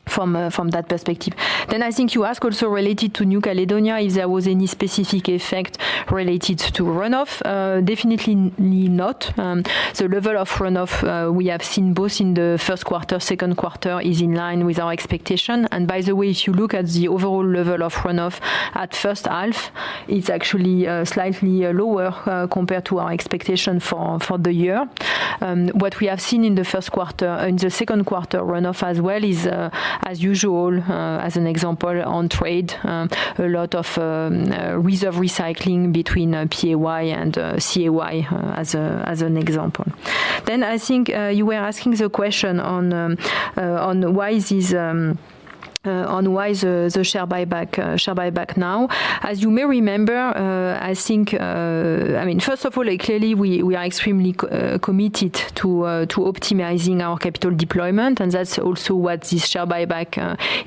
from that perspective. Then I think you ask also related to New Caledonia, if there was any specific effect related to runoff. Definitely not. The level of runoff we have seen both in the first quarter, second quarter, is in line with our expectation. And by the way, if you look at the overall level of runoff at first half, it's actually slightly lower compared to our expectation for the year. What we have seen in the first quarter, in the second quarter runoff as well is, as usual, as an example, on trade, a lot of reserve recycling between PY and CY, as an example. Then I think you were asking the question on why the share buyback now. As you may remember, I think... I mean, first of all, clearly, we, we are extremely committed to, to optimizing our capital deployment, and that's also what this share buyback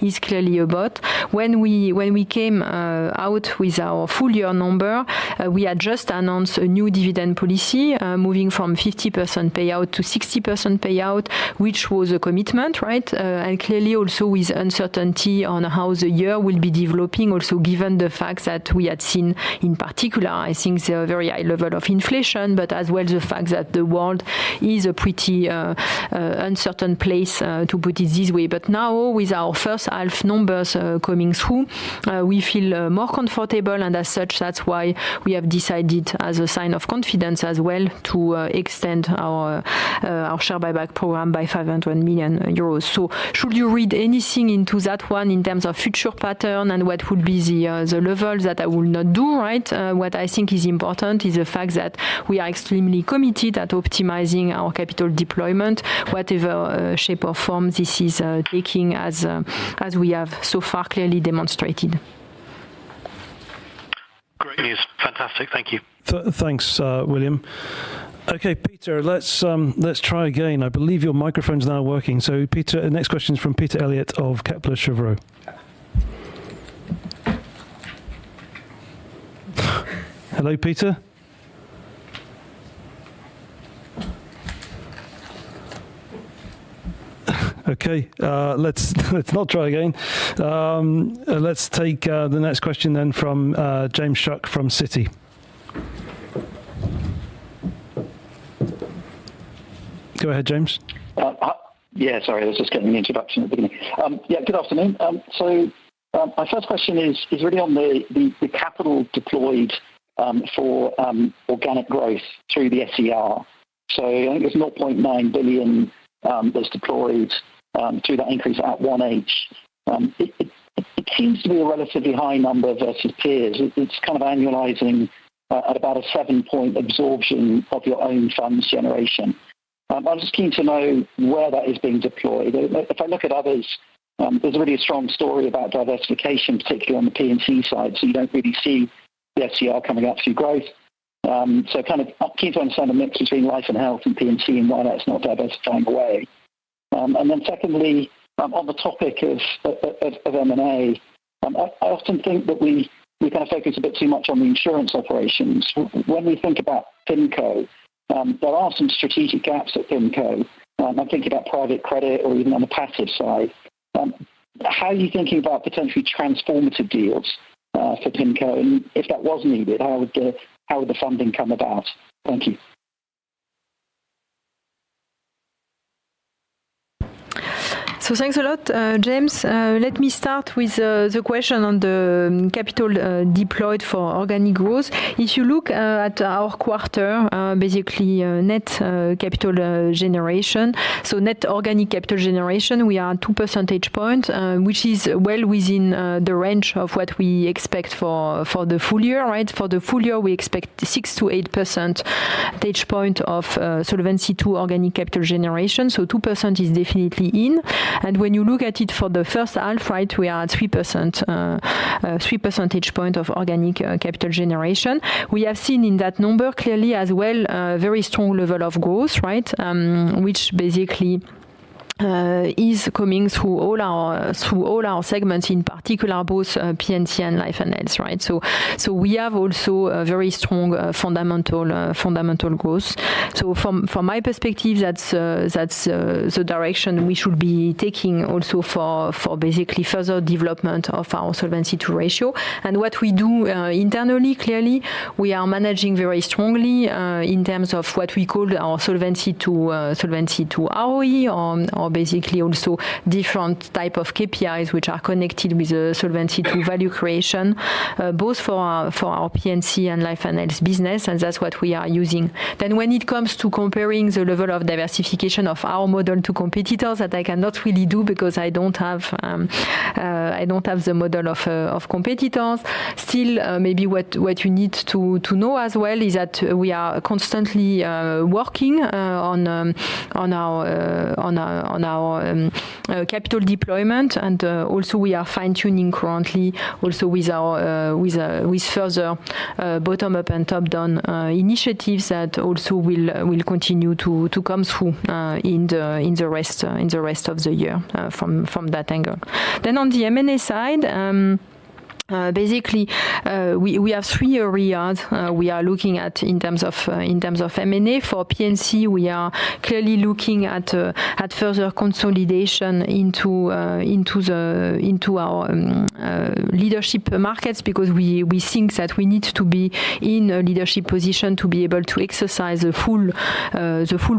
is clearly about. When we, when we came out with our full year number, we had just announced a new dividend policy, moving from 50% payout to 60% payout, which was a commitment, right? And clearly also with uncertainty on how the year will be developing, also given the fact that we had seen, in particular, I think the very high level of inflation, but as well, the fact that the world is a pretty uncertain place, to put it this way. But now with our first half numbers coming through, we feel more comfortable, and as such, that's why we have decided, as a sign of confidence as well, to extend our share buyback program by 500 million euros. So should you read anything into that one in terms of future pattern and what would be the level? That I will not do, right? What I think is important is the fact that we are extremely committed at optimizing our capital deployment, whatever shape or form this is taking, as we have so far clearly demonstrated. Great news. Fantastic. Thank you. Thanks, William. Okay, Peter, let's try again. I believe your microphone's now working. So Peter, the next question is from Peter Eliot of Kepler Cheuvreux. Hello, Peter? Okay, let's not try again. Let's take the next question then from James Shuck from Citi. Go ahead, James. Hi. Yeah, sorry, I was just getting an introduction at the beginning. Yeah, good afternoon. So, my first question is really on the capital deployed for organic growth through the SCR. So I think it's 0.9 billion was deployed through that increase at 1H. It seems to be a relatively high number versus peers. It's kind of annualizing at about a 7-point absorption of your own funds generation. I'm just keen to know where that is being deployed. If I look at others, there's a really strong story about diversification, particularly on the P&C side, so you don't really see the SCR coming up through growth. So kind of keen to understand the mix between Life and Health and P&C and why that's not diversifying away. And then secondly, on the topic of M&A, I often think that we kind of focus a bit too much on the insurance operations. When we think about PIMCO, there are some strategic gaps at PIMCO. I'm thinking about private credit or even on the passive side. How are you thinking about potentially transformative deals for PIMCO? And if that was needed, how would the funding come about? Thank you. So thanks a lot, James. Let me start with the question on the capital deployed for organic growth. If you look at our quarter, basically, net capital generation, so net organic capital generation, we are 2 percentage points, which is well within the range of what we expect for the full year, right? For the full year, we expect 6-8 percentage points of Solvency II organic capital generation, so 2% is definitely in. And when you look at it for the first half, right, we are at 3%, three percentage points of organic capital generation. We have seen in that number clearly as well, a very strong level of growth, right? Which basically is coming through all our, through all our segments, in particular, both P&C and Life and Health, right? So we have also a very strong fundamental growth. So from my perspective, that's the direction we should be taking also for basically further development of our Solvency II ratio. And what we do internally, clearly, we are managing very strongly in terms of what we call our Solvency II ROE, or basically also different type of KPIs, which are connected with Solvency II value creation both for our P&C and Life and Health business, and that's what we are using. Then, when it comes to comparing the level of diversification of our model to competitors, that I cannot really do because I don't have the model of competitors. Still, maybe what you need to know as well is that we are constantly working on our capital deployment. And also, we are fine-tuning currently also with our further bottom-up and top-down initiatives that also will continue to come through in the rest of the year from that angle. Then on the M&A side, basically, we have three areas we are looking at in terms of M&A. For P&C, we are clearly looking at further consolidation into our leadership markets, because we think that we need to be in a leadership position to be able to exercise the full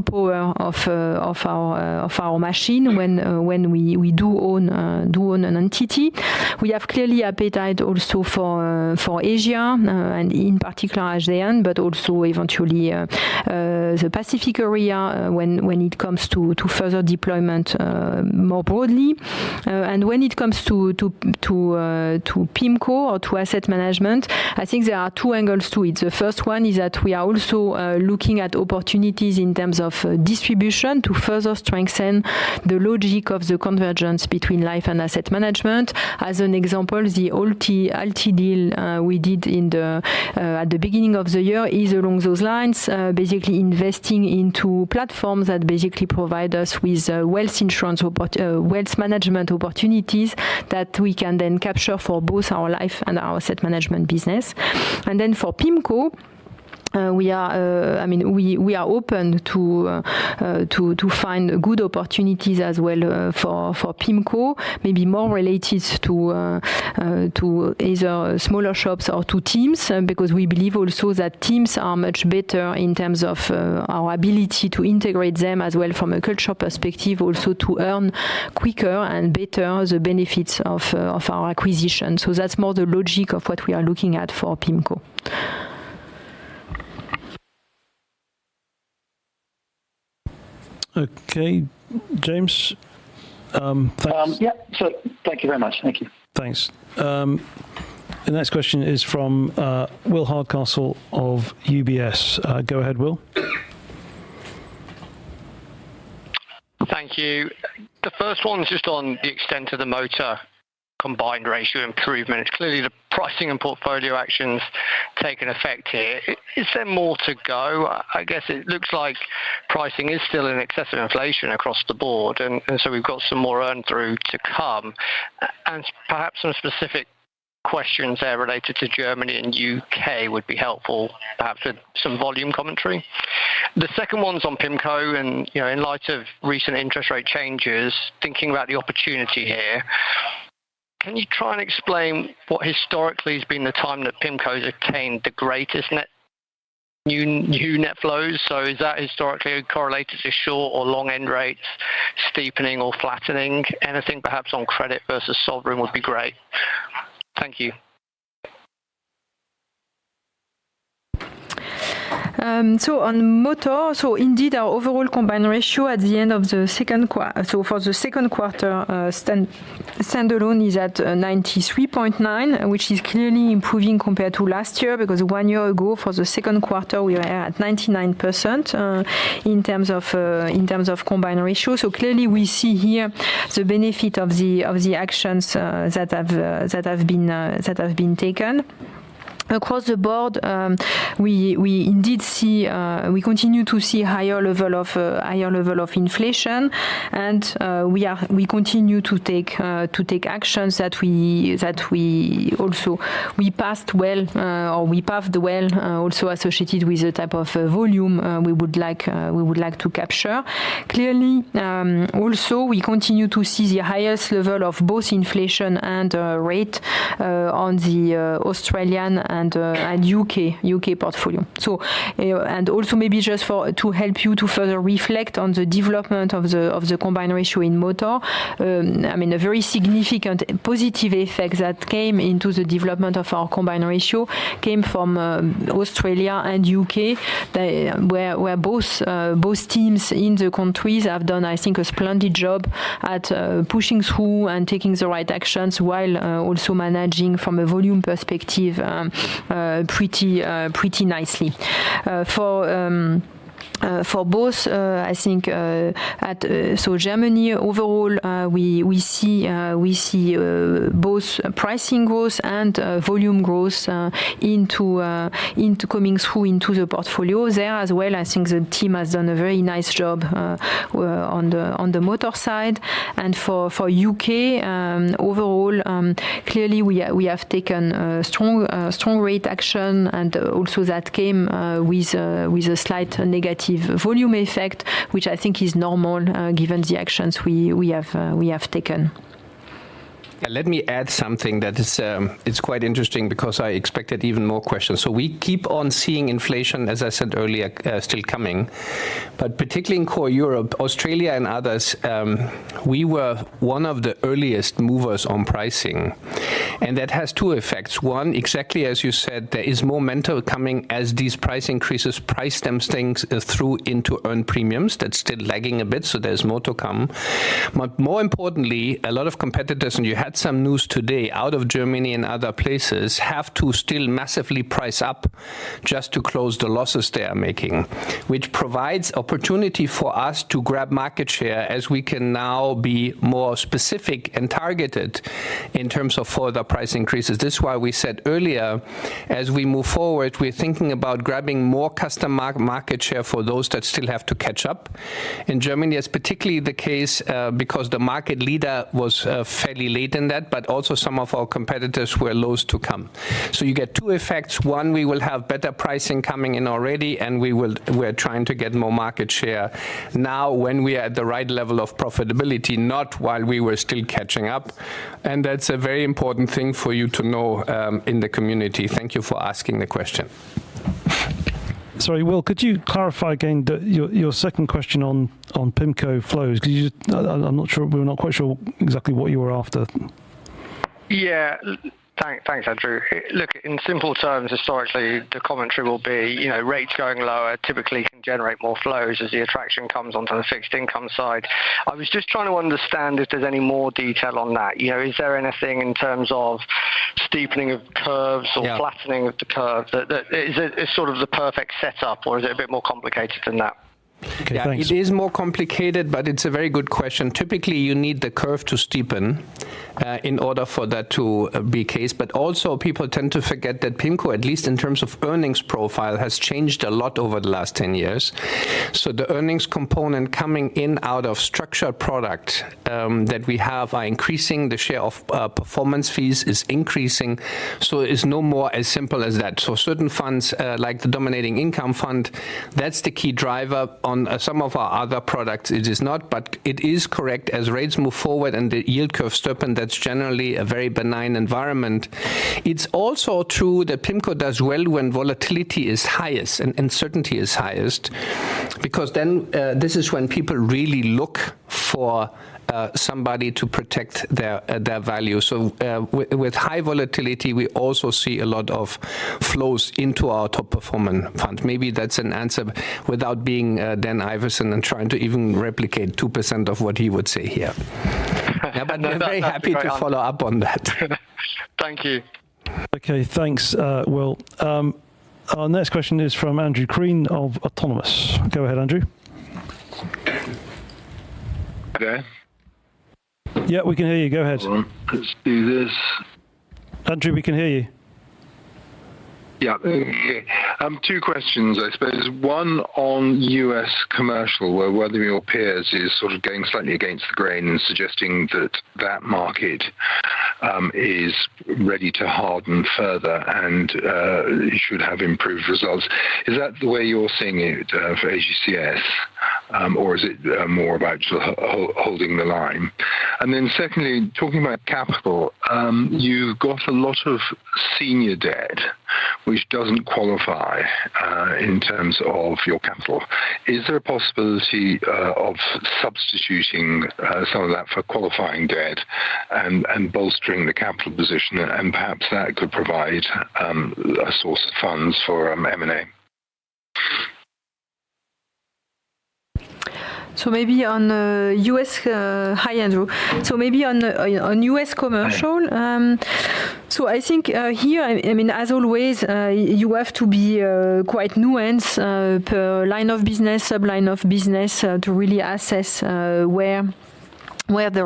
power of our machine when we do own an entity. We have clearly appetite also for Asia and in particular ASEAN, but also eventually the Pacific area when it comes to further deployment more broadly. And when it comes to PIMCO Asset Management, I think there are two angles to it. The first one is that we are also looking at opportunities in terms of distribution to further strengthen the logic of the convergence between Asset Management. As an example, the AlTi, AlTi deal we did at the beginning of the year is along those lines. Basically investing into platforms that basically provide us with wealth management opportunities that we can then capture for both our life Asset Management business. And then for PIMCO, I mean, we are open to find good opportunities as well for PIMCO. Maybe more related to either smaller shops or to teams, because we believe also that teams are much better in terms of our ability to integrate them, as well from a culture perspective, also to earn quicker and better the benefits of our acquisition. So that's more the logic of what we are looking at for PIMCO. Okay, James, thanks. Yep, sure. Thank you very much. Thank you. Thanks. The next question is from Will Hardcastle of UBS. Go ahead, Will. Thank you. The first one is just on the extent of the combined ratio improvement. Clearly, the pricing and portfolio actions taken effect here. Is there more to go? I guess it looks like pricing is still in excess of inflation across the board, and so we've got some more earn through to come. And perhaps some specific questions there related to Germany and U.K. would be helpful, perhaps with some volume commentary. The second one's on PIMCO, and, you know, in light of recent interest rate changes, thinking about the opportunity here, can you try and explain what historically has been the time that PIMCO's attained the greatest net new net flows? So is that historically correlated to short or long end rates, steepening or flattening? Anything, perhaps on credit versus sovereign would be great. Thank you. So on motor, so indeed, our overall combined ratio at the end of the second quarter standalone is at 93.9, which is clearly improving compared to last year, because one year ago, for the second quarter, we were at 99%, in terms of in terms of combined ratio. So clearly, we see here the benefit of the of the actions that have that have been that have been taken. Across the board, we indeed continue to see a higher level of inflation, and we continue to take actions that we also pass on, well, also associated with the type of volume we would like to capture. Clearly, also, we continue to see the highest level of both inflation and rates on the Australian and U.K. portfolio. So, and also maybe just to help you to further reflect on the development of combined ratio in motor, I mean, a very significant positive effect that came into the development of combined ratio came from Australia and U.K. They... Where both teams in the countries have done, I think, a splendid job at pushing through and taking the right actions, while also managing from a volume perspective, pretty nicely. For both, I think, at so Germany overall, we see both pricing growth and volume growth into coming through into the portfolio there as well. I think the team has done a very nice job on the motor side. And for U.K., overall, clearly, we have taken strong rate action, and also that came with a slight negative volume effect, which I think is normal, given the actions we have taken. Let me add something that is, it's quite interesting because I expected even more questions. So we keep on seeing inflation, as I said earlier, still coming. But particularly in core Europe, Australia and others, we were one of the earliest movers on pricing, and that has two effects. One, exactly as you said, there is momentum coming as these price increases price them things through into earned premiums. That's still lagging a bit, so there's more to come. But more importantly, a lot of competitors, and you had some news today out of Germany and other places, have to still massively price up just to close the losses they are making, which provides opportunity for us to grab market share, as we can now be more specific and targeted in terms of further price increases. This is why we said earlier, as we move forward, we're thinking about grabbing more customer market share for those that still have to catch up. In Germany, it's particularly the case, because the market leader was fairly late in that, but also some of our competitors were slow to come. So you get two effects. One, we will have better pricing coming in already, and we're trying to get more market share now when we are at the right level of profitability, not while we were still catching up. And that's a very important thing for you to know in the community. Thank you for asking the question. Sorry, Will, could you clarify again your second question on PIMCO flows? Because you—I, I'm not sure, we're not quite sure exactly what you were after. Yeah. Thanks, Andrew. Look, in simple terms, historically, the commentary will be, you know, rates going lower typically can generate more flows as the attraction comes onto the fixed income side. I was just trying to understand if there's any more detail on that. You know, is there anything in terms of steepening of curves? Yeah. or flattening of the curve? That, that... Is it sort of the perfect setup, or is it a bit more complicated than that? Okay, thanks. Yeah, it is more complicated, but it's a very good question. Typically, you need the curve to steepen in order for that to be case. But also people tend to forget that PIMCO, at least in terms of earnings profile, has changed a lot over the last 10 years. So the earnings component coming in out of structured product that we have are increasing, the share of performance fees is increasing, so it's no more as simple as that. So certain funds like the PIMCO Income Fund, that's the key driver. On some of our other products, it is not. But it is correct, as rates move forward and the yield curve steepen, that's generally a very benign environment. It's also true that PIMCO does well when volatility is highest and certainty is highest, because then this is when people really look for somebody to protect their their value. So with high volatility, we also see a lot of flows into our top performing fund. Maybe that's an answer without being Dan Ivascyn and trying to even replicate 2% of what he would say here. No, that's a great answer. But I'm very happy to follow up on that. Thank you. Okay, thanks, Will. Our next question is from Andrew Crean of Autonomous. Go ahead, Andrew. Okay. Yeah, we can hear you. Go ahead. All right. Let's do this. Andrew, we can hear you. Yeah. Two questions, I suppose. One, on U.S. commercial, where one of your peers is sort of going slightly against the grain and suggesting that that market is ready to harden further and should have improved results. Is that the way you're seeing it for AGCS? Or is it more about sort of holding the line? And then secondly, talking about capital, you've got a lot of senior debt, which doesn't qualify in terms of your capital. Is there a possibility of substituting some of that for qualifying debt and bolstering the capital position, and perhaps that could provide a source of funds for M&A? So maybe on U.S... Hi, Andrew. So maybe on U.S. commercial- Yeah. So I think, here, I mean, as always, you have to be quite nuanced per line of business, sub-line of business, to really assess where the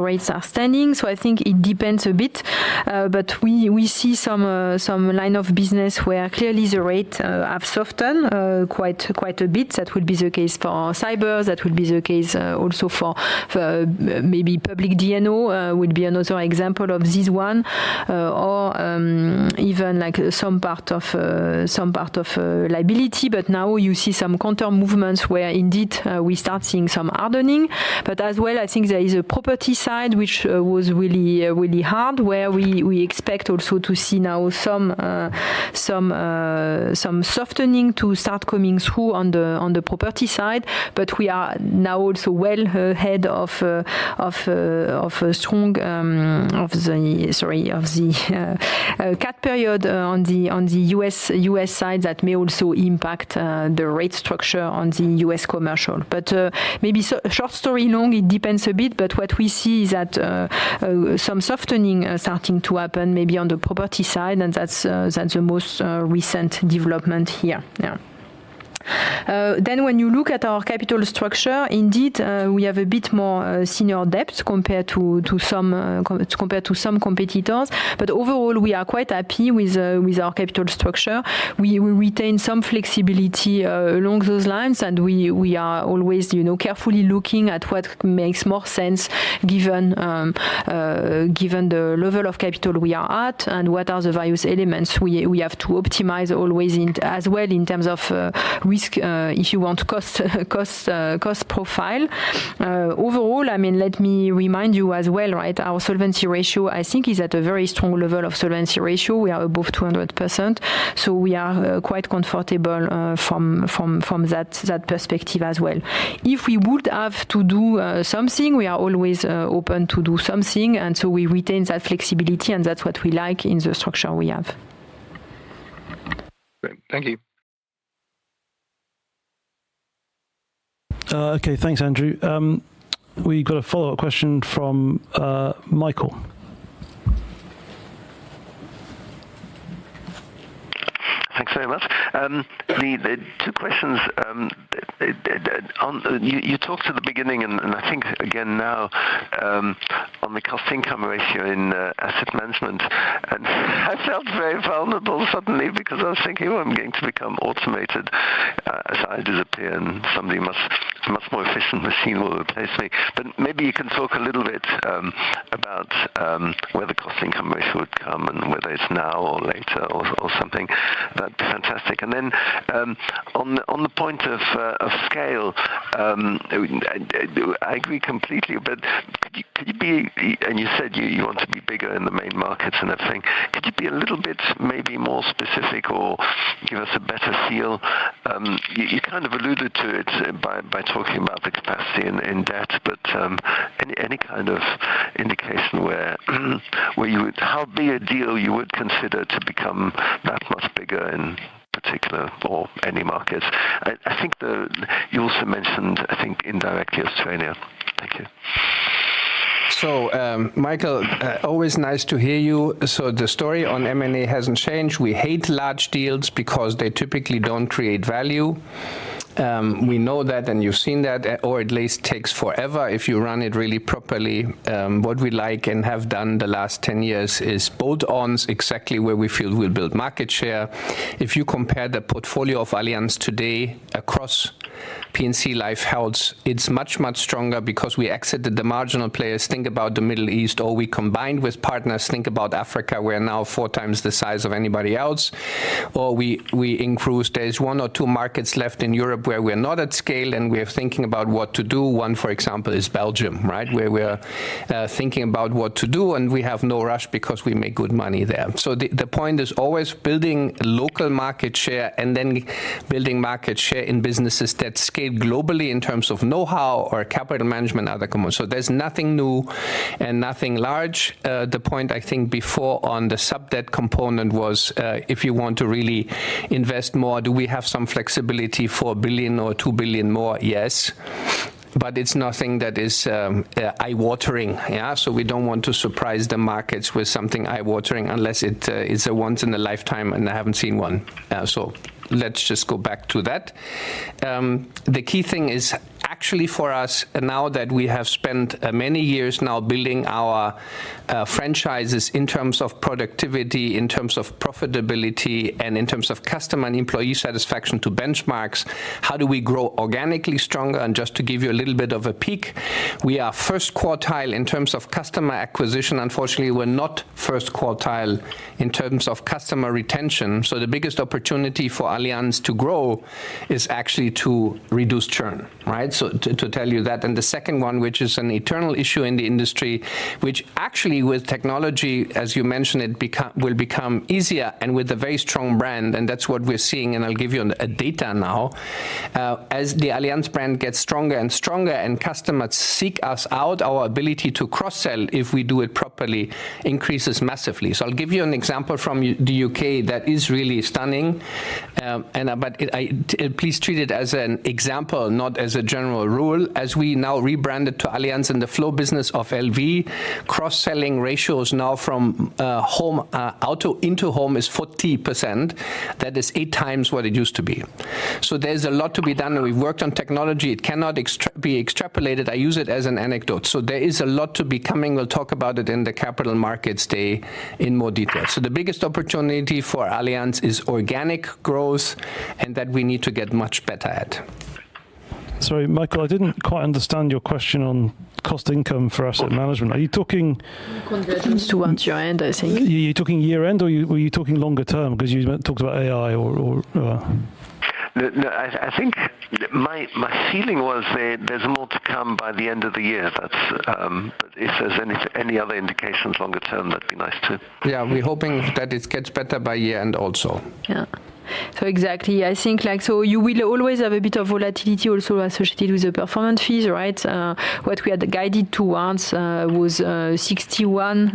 rates are standing. So I think it depends a bit, but we see some line of business where clearly the rate have softened quite a bit. That would be the case for cyber. That would be the case also for maybe public D&O would be another example of this one, or even like some part of some part of liability. But now you see some counter movements where indeed we start seeing some hardening. But as well, I think there is a property side, which was really, really hard, where we expect also to see now some softening to start coming through on the property side. But we are now also well ahead of a strong... Sorry, of the Cat period on the U.S. side, that may also impact the rate structure on the U.S. commercial. But maybe so short story long, it depends a bit, but what we see is that some softening starting to happen maybe on the property side, and that's the most recent development here. Yeah. Then when you look at our capital structure, indeed, we have a bit more senior debt compared to some com... Compared to some competitors. But overall, we are quite happy with, with our capital structure. We, we retain some flexibility, along those lines, and we, we are always, you know, carefully looking at what makes more sense given, given the level of capital we are at and what are the various elements we, we have to optimize always in, as well, in terms of, risk, if you want cost, cost, cost profile. Overall, I mean, let me remind you as well, right, our solvency ratio, I think, is at a very strong level of solvency ratio. We are above 200%, so we are, quite comfortable, from, from, from that, that perspective as well. If we would have to do something, we are always open to do something, and so we retain that flexibility, and that's what we like in the structure we have. Great. Thank you. Okay. Thanks, Andrew. We got a follow-up question from Michael.... Thanks very much. The two questions on—you talked at the beginning, and I think again now, on the cost income Asset Management. And I felt very vulnerable suddenly because I was thinking, "Oh, I'm going to become automated as I disappear, and somebody must, a much more efficient machine will replace me." But maybe you can talk a little bit about where the cost income ratio would come and whether it's now or later or something. That'd be fantastic. And then on the point of scale, I agree completely, but could you be... And you said you want to be bigger in the main markets and that thing. Could you be a little bit maybe more specific or give us a better feel? You kind of alluded to it by talking about the capacity in debt, but any kind of indication where you would - how big a deal you would consider to become that much bigger in particular or any markets? I think you also mentioned, I think, indirectly, Australia. Thank you. So, Michael, always nice to hear you. So the story on M&A hasn't changed. We hate large deals because they typically don't create value. We know that, and you've seen that, or at least takes forever if you run it really properly. What we like and have done the last 10 years is bolt-ons, exactly where we feel we'll build market share. If you compare the portfolio of Allianz today across P&C Life Health, it's much, much stronger because we exited the marginal players. Think about the Middle East, or we combined with partners. Think about Africa, we're now four times the size of anybody else, or we, we increased. There's one or two markets left in Europe where we are not at scale, and we are thinking about what to do. One, for example, is Belgium, right? Where we are thinking about what to do, and we have no rush because we make good money there. So the point is always building local market share and then building market share in businesses that scale globally in terms of know-how or capital management, other commercial. So there's nothing new and nothing large. The point, I think, before on the sub-debt component was, if you want to really invest more, do we have some flexibility for 1 billion or 2 billion more? Yes, but it's nothing that is eye-watering, yeah. So we don't want to surprise the markets with something eye-watering unless it is a once in a lifetime, and I haven't seen one. So let's just go back to that. The key thing is actually for us, now that we have spent many years now building our franchises in terms of productivity, in terms of profitability, and in terms of customer and employee satisfaction to benchmarks, how do we grow organically stronger? And just to give you a little bit of a peek, we are first quartile in terms of customer acquisition. Unfortunately, we're not first quartile in terms of customer retention. So the biggest opportunity for Allianz to grow is actually to reduce churn, right? So to tell you that. And the second one, which is an eternal issue in the industry, which actually, with technology, as you mentioned, will become easier and with a very strong brand, and that's what we're seeing, and I'll give you a data now. As the Allianz brand gets stronger and stronger and customers seek us out, our ability to cross-sell, if we do it properly, increases massively. So I'll give you an example from the U.K. that is really stunning, and please treat it as an example, not as a general rule. As we now rebranded to Allianz in the flow business of LV, cross-selling ratios now from home, auto into home is 40%. That is eight times what it used to be. So there's a lot to be done, and we've worked on technology. It cannot be extrapolated. I use it as an anecdote. So there is a lot to be coming. We'll talk about it in the Capital Markets Day in more detail. So the biggest opportunity for Allianz is organic growth, and that we need to get much better at. Sorry, Michael, I didn't quite understand your question on Cost- Asset Management. Are you talking- Towards year-end, I think. Are you talking year-end, or were you talking longer term? Because you talked about AI or. No, I think my feeling was that there's more to come by the end of the year. That's, but if there's any other indications longer term, that'd be nice, too. Yeah, we're hoping that it gets better by year-end also. Yeah. So exactly, I think, like, so you will always have a bit of volatility also associated with the performance fees, right? What we had guided towards was 61,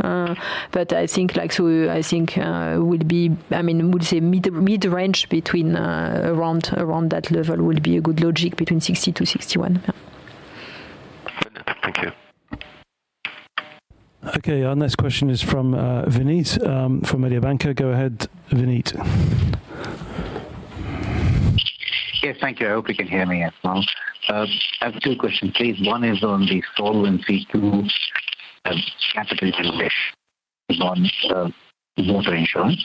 but I think, like, so I think would be, I mean, we'd say mid, mid-range between, around, around that level would be a good logic, between 60-61. Yeah. Thank you. Okay, our next question is from Vinit from Mediobanca. Go ahead, Vinit. Yes, thank you. I hope you can hear me as well. I have two questions, please. One is on the Solvency II, capital generation on, motor insurance.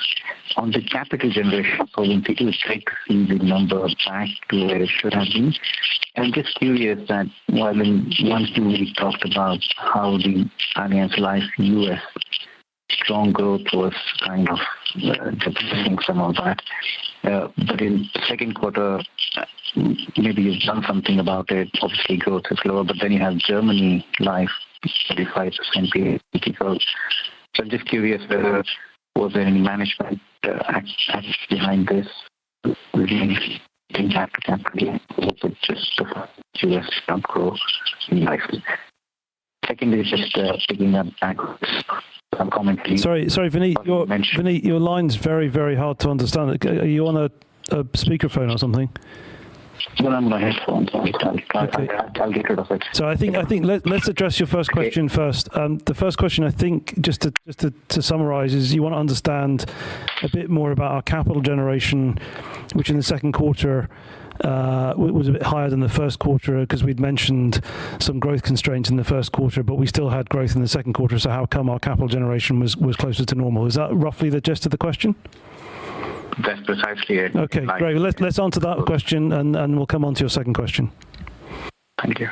On the capital generation, Solvency II, take the number back to where it should have been. I'm just curious that, while in one thing we talked about how the Allianz Life U.S. strong growth was kind of depending some of that, but in the second quarter, maybe you've done something about it. Obviously, growth is lower, but then you have German Life, 35% PA difficult. So I'm just curious, was there any management actions behind this? Within impact capital, or was it just US growth likely? Secondly, just, picking up back, comment please- Sorry, sorry, Vinit. You mentioned- Vinit, your line's very, very hard to understand. Are you on a speakerphone or something?... I don't have my headphones on. I'll get rid of it. So, let's address your first question first. The first question, I think, just to summarize, is you want to understand a bit more about our capital generation, which in the second quarter was a bit higher than the first quarter, 'cause we'd mentioned some growth constraints in the first quarter, but we still had growth in the second quarter. So how come our capital generation was closer to normal? Is that roughly the gist of the question? That's precisely it. Okay, great. Let's answer that question, and we'll come on to your second question. Thank you.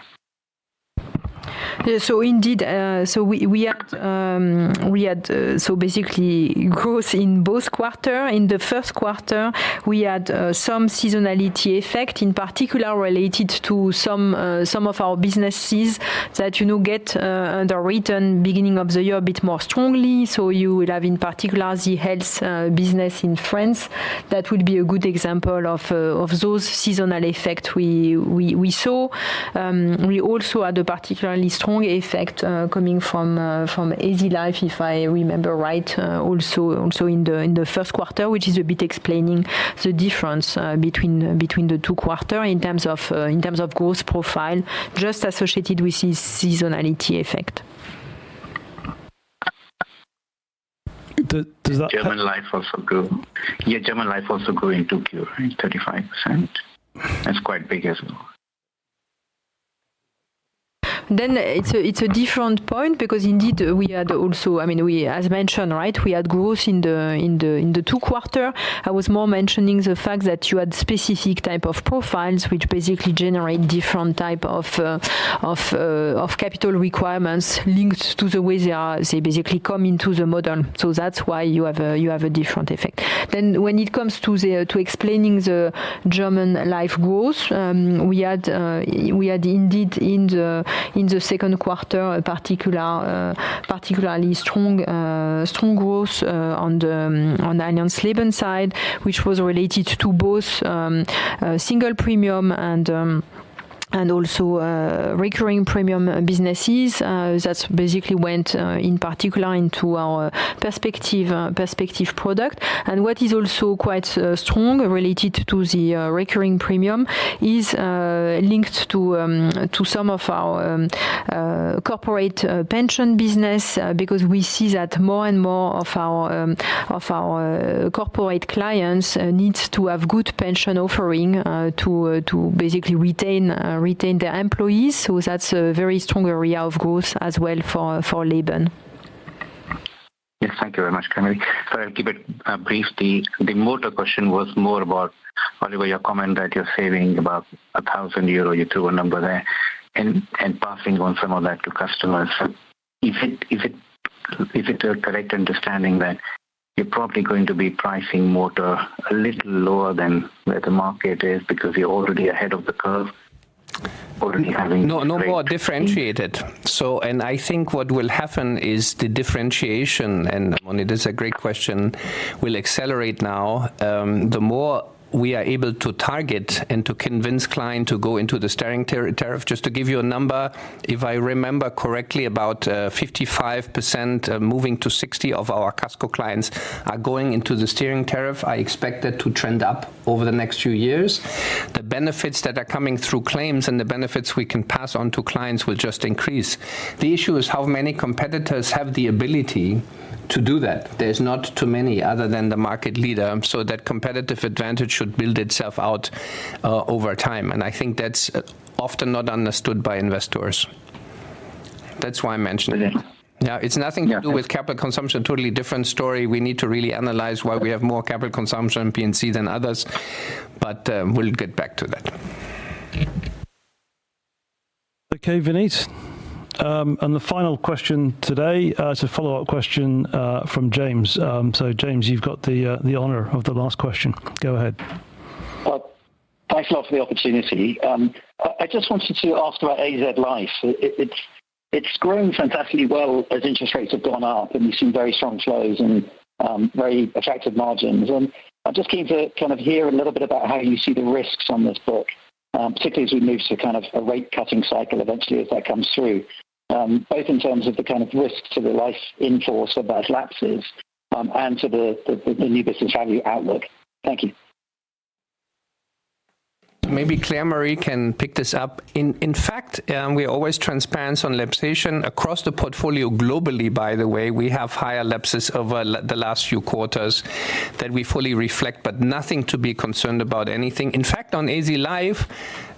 Yeah, so indeed, so we had, so basically growth in both quarter. In the first quarter, we had some seasonality effect, in particular related to some of our businesses that, you know, get the return beginning of the year a bit more strongly. So you will have in particular the health business in France. That would be a good example of those seasonal effect we saw. We also had a particularly strong effect coming from AZ Life, if I remember right, also in the first quarter, which is a bit explaining the difference between the two quarter in terms of growth profile, just associated with the seasonality effect. Do-does that- German Life also grew. Yeah, German Life also grew in Q2, right, 35%. That's quite big as well. Then it's a different point because indeed we had also... I mean, we as mentioned, right? We had growth in the second quarter. I was more mentioning the fact that you had specific type of profiles, which basically generate different type of capital requirements linked to the way they are, they basically come into the model. So that's why you have a different effect. Then when it comes to explaining the German Life growth, we had indeed in the second quarter a particularly strong growth on the unit-linked side, which was related to both single premium and also recurring premium businesses. That's basically went in particular into our Perspektive product. And what is also quite strong related to the recurring premium is linked to some of our corporate pension business. Because we see that more and more of our corporate clients needs to have good pension offering to basically retain their employees. So that's a very strong area of growth as well for Leben. Yes, thank you very much, Claire-Marie. So I'll keep it brief. The motor question was more about earlier your comment that you're saving about 1,000 euro. You threw a number there, and passing on some of that to customers. Is it a correct understanding that you're probably going to be pricing motor a little lower than where the market is because you're already ahead of the curve, already having great- No, no more differentiated. I think what will happen is the differentiation, and it is a great question, will accelerate now. The more we are able to target and to convince client to go into the steering tariff. Just to give you a number, if I remember correctly, about 55%, moving to 60% of our Casco clients are going into the steering tariff. I expect that to trend up over the next few years. The benefits that are coming through claims and the benefits we can pass on to clients will just increase. The issue is how many competitors have the ability to do that? There's not too many other than the market leader, so that competitive advantage should build itself out over time, and I think that's often not understood by investors. That's why I mentioned it. Okay. Now, it's nothing to do with capital consumption. Totally different story. We need to really analyze why we have more capital consumption P&C than others, but, we'll get back to that. Okay, Vinit. And the final question today, it's a follow-up question from James. So James, you've got the honor of the last question. Go ahead. Thanks a lot for the opportunity. I just wanted to ask about AZ Life. It's grown fantastically well as interest rates have gone up, and we've seen very strong flows and very attractive margins. I'm just keen to kind of hear a little bit about how you see the risks on this book, particularly as we move to kind of a rate cutting cycle eventually as that comes through, both in terms of the kind of risks to the life inforce of those lapses, and to the new business value outlook. Thank you. Maybe Claire-Marie can pick this up. In fact, we're always transparent on lapsation across the portfolio globally, by the way. We have higher lapses over the last few quarters that we fully reflect, but nothing to be concerned about anything. In fact, on AZ Life,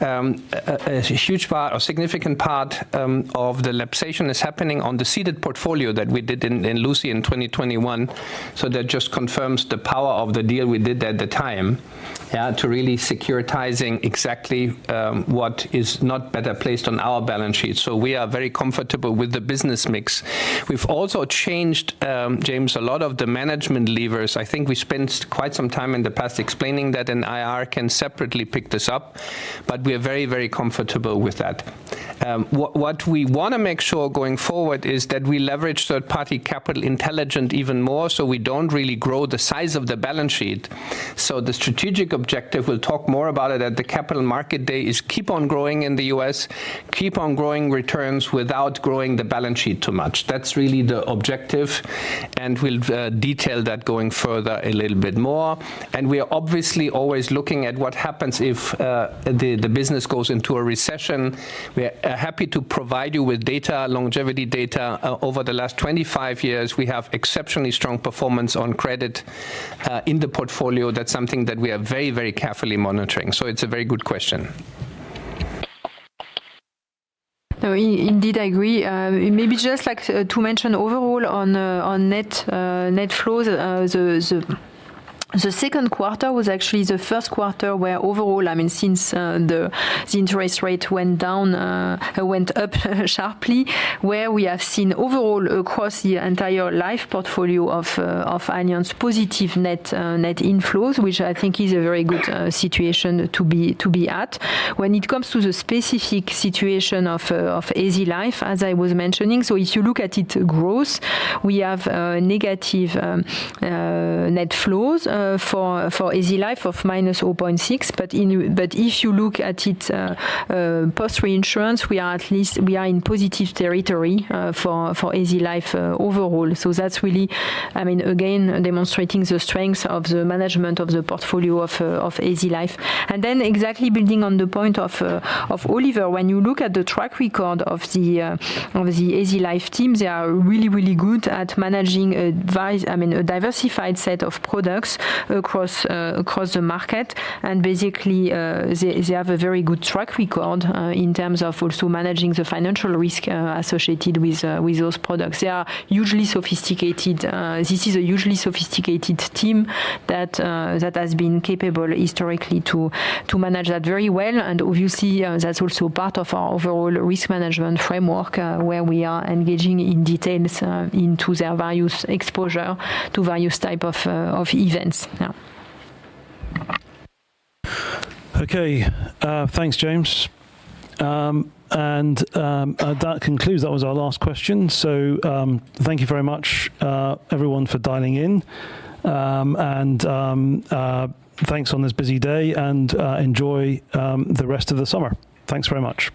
a huge part or significant part of the lapsation is happening on the ceded portfolio that we did in L&H in 2021. So that just confirms the power of the deal we did at the time, yeah, to really securitizing exactly what is not better placed on our balance sheet. So we are very comfortable with the business mix. We've also changed, James, a lot of the management levers. I think we spent quite some time in the past explaining that, and IR can separately pick this up, but we are very, very comfortable with that. What we want to make sure going forward is that we leverage third-party capital intelligently even more, so we don't really grow the size of the balance sheet. So the strategic objective, we'll talk more about it at the Capital Market Day, is keep on growing in the U.S., keep on growing returns without growing the balance sheet too much. That's really the objective, and we'll detail that going further a little bit more. And we are obviously always looking at what happens if the business goes into a recession. We are happy to provide you with data, longevity data. Over the last 25 years, we have exceptionally strong performance on credit in the portfolio. That's something that we are very, very carefully monitoring. So it's a very good question. No, indeed, I agree. Maybe just like to mention overall on net flows, the second quarter was actually the first quarter where overall, I mean, since the interest rate went down, went up sharply, where we have seen overall, across the entire life portfolio of Allianz, positive net inflows, which I think is a very good situation to be at. When it comes to the specific situation of AZ Life, as I was mentioning, so if you look at it growth, we have negative net flows for AZ Life of minus 0.6. But if you look at it post-reinsurance, we are at least, we are in positive territory for AZ Life overall. So that's really, I mean, again, demonstrating the strength of the management of the portfolio of AZ Life. And then exactly building on the point of Oliver, when you look at the track record of the AZ Life team, they are really, really good at managing, I mean, a diversified set of products across the market. And basically, they have a very good track record in terms of also managing the financial risk associated with those products. They are usually sophisticated. This is a usually sophisticated team that has been capable historically to manage that very well. And obviously, that's also part of our overall risk management framework, where we are engaging in details into their various exposure to various type of events, yeah. Okay. Thanks, James. That concludes... That was our last question. So, thank you very much, everyone, for dialing in. Thanks on this busy day, and enjoy the rest of the summer. Thanks very much!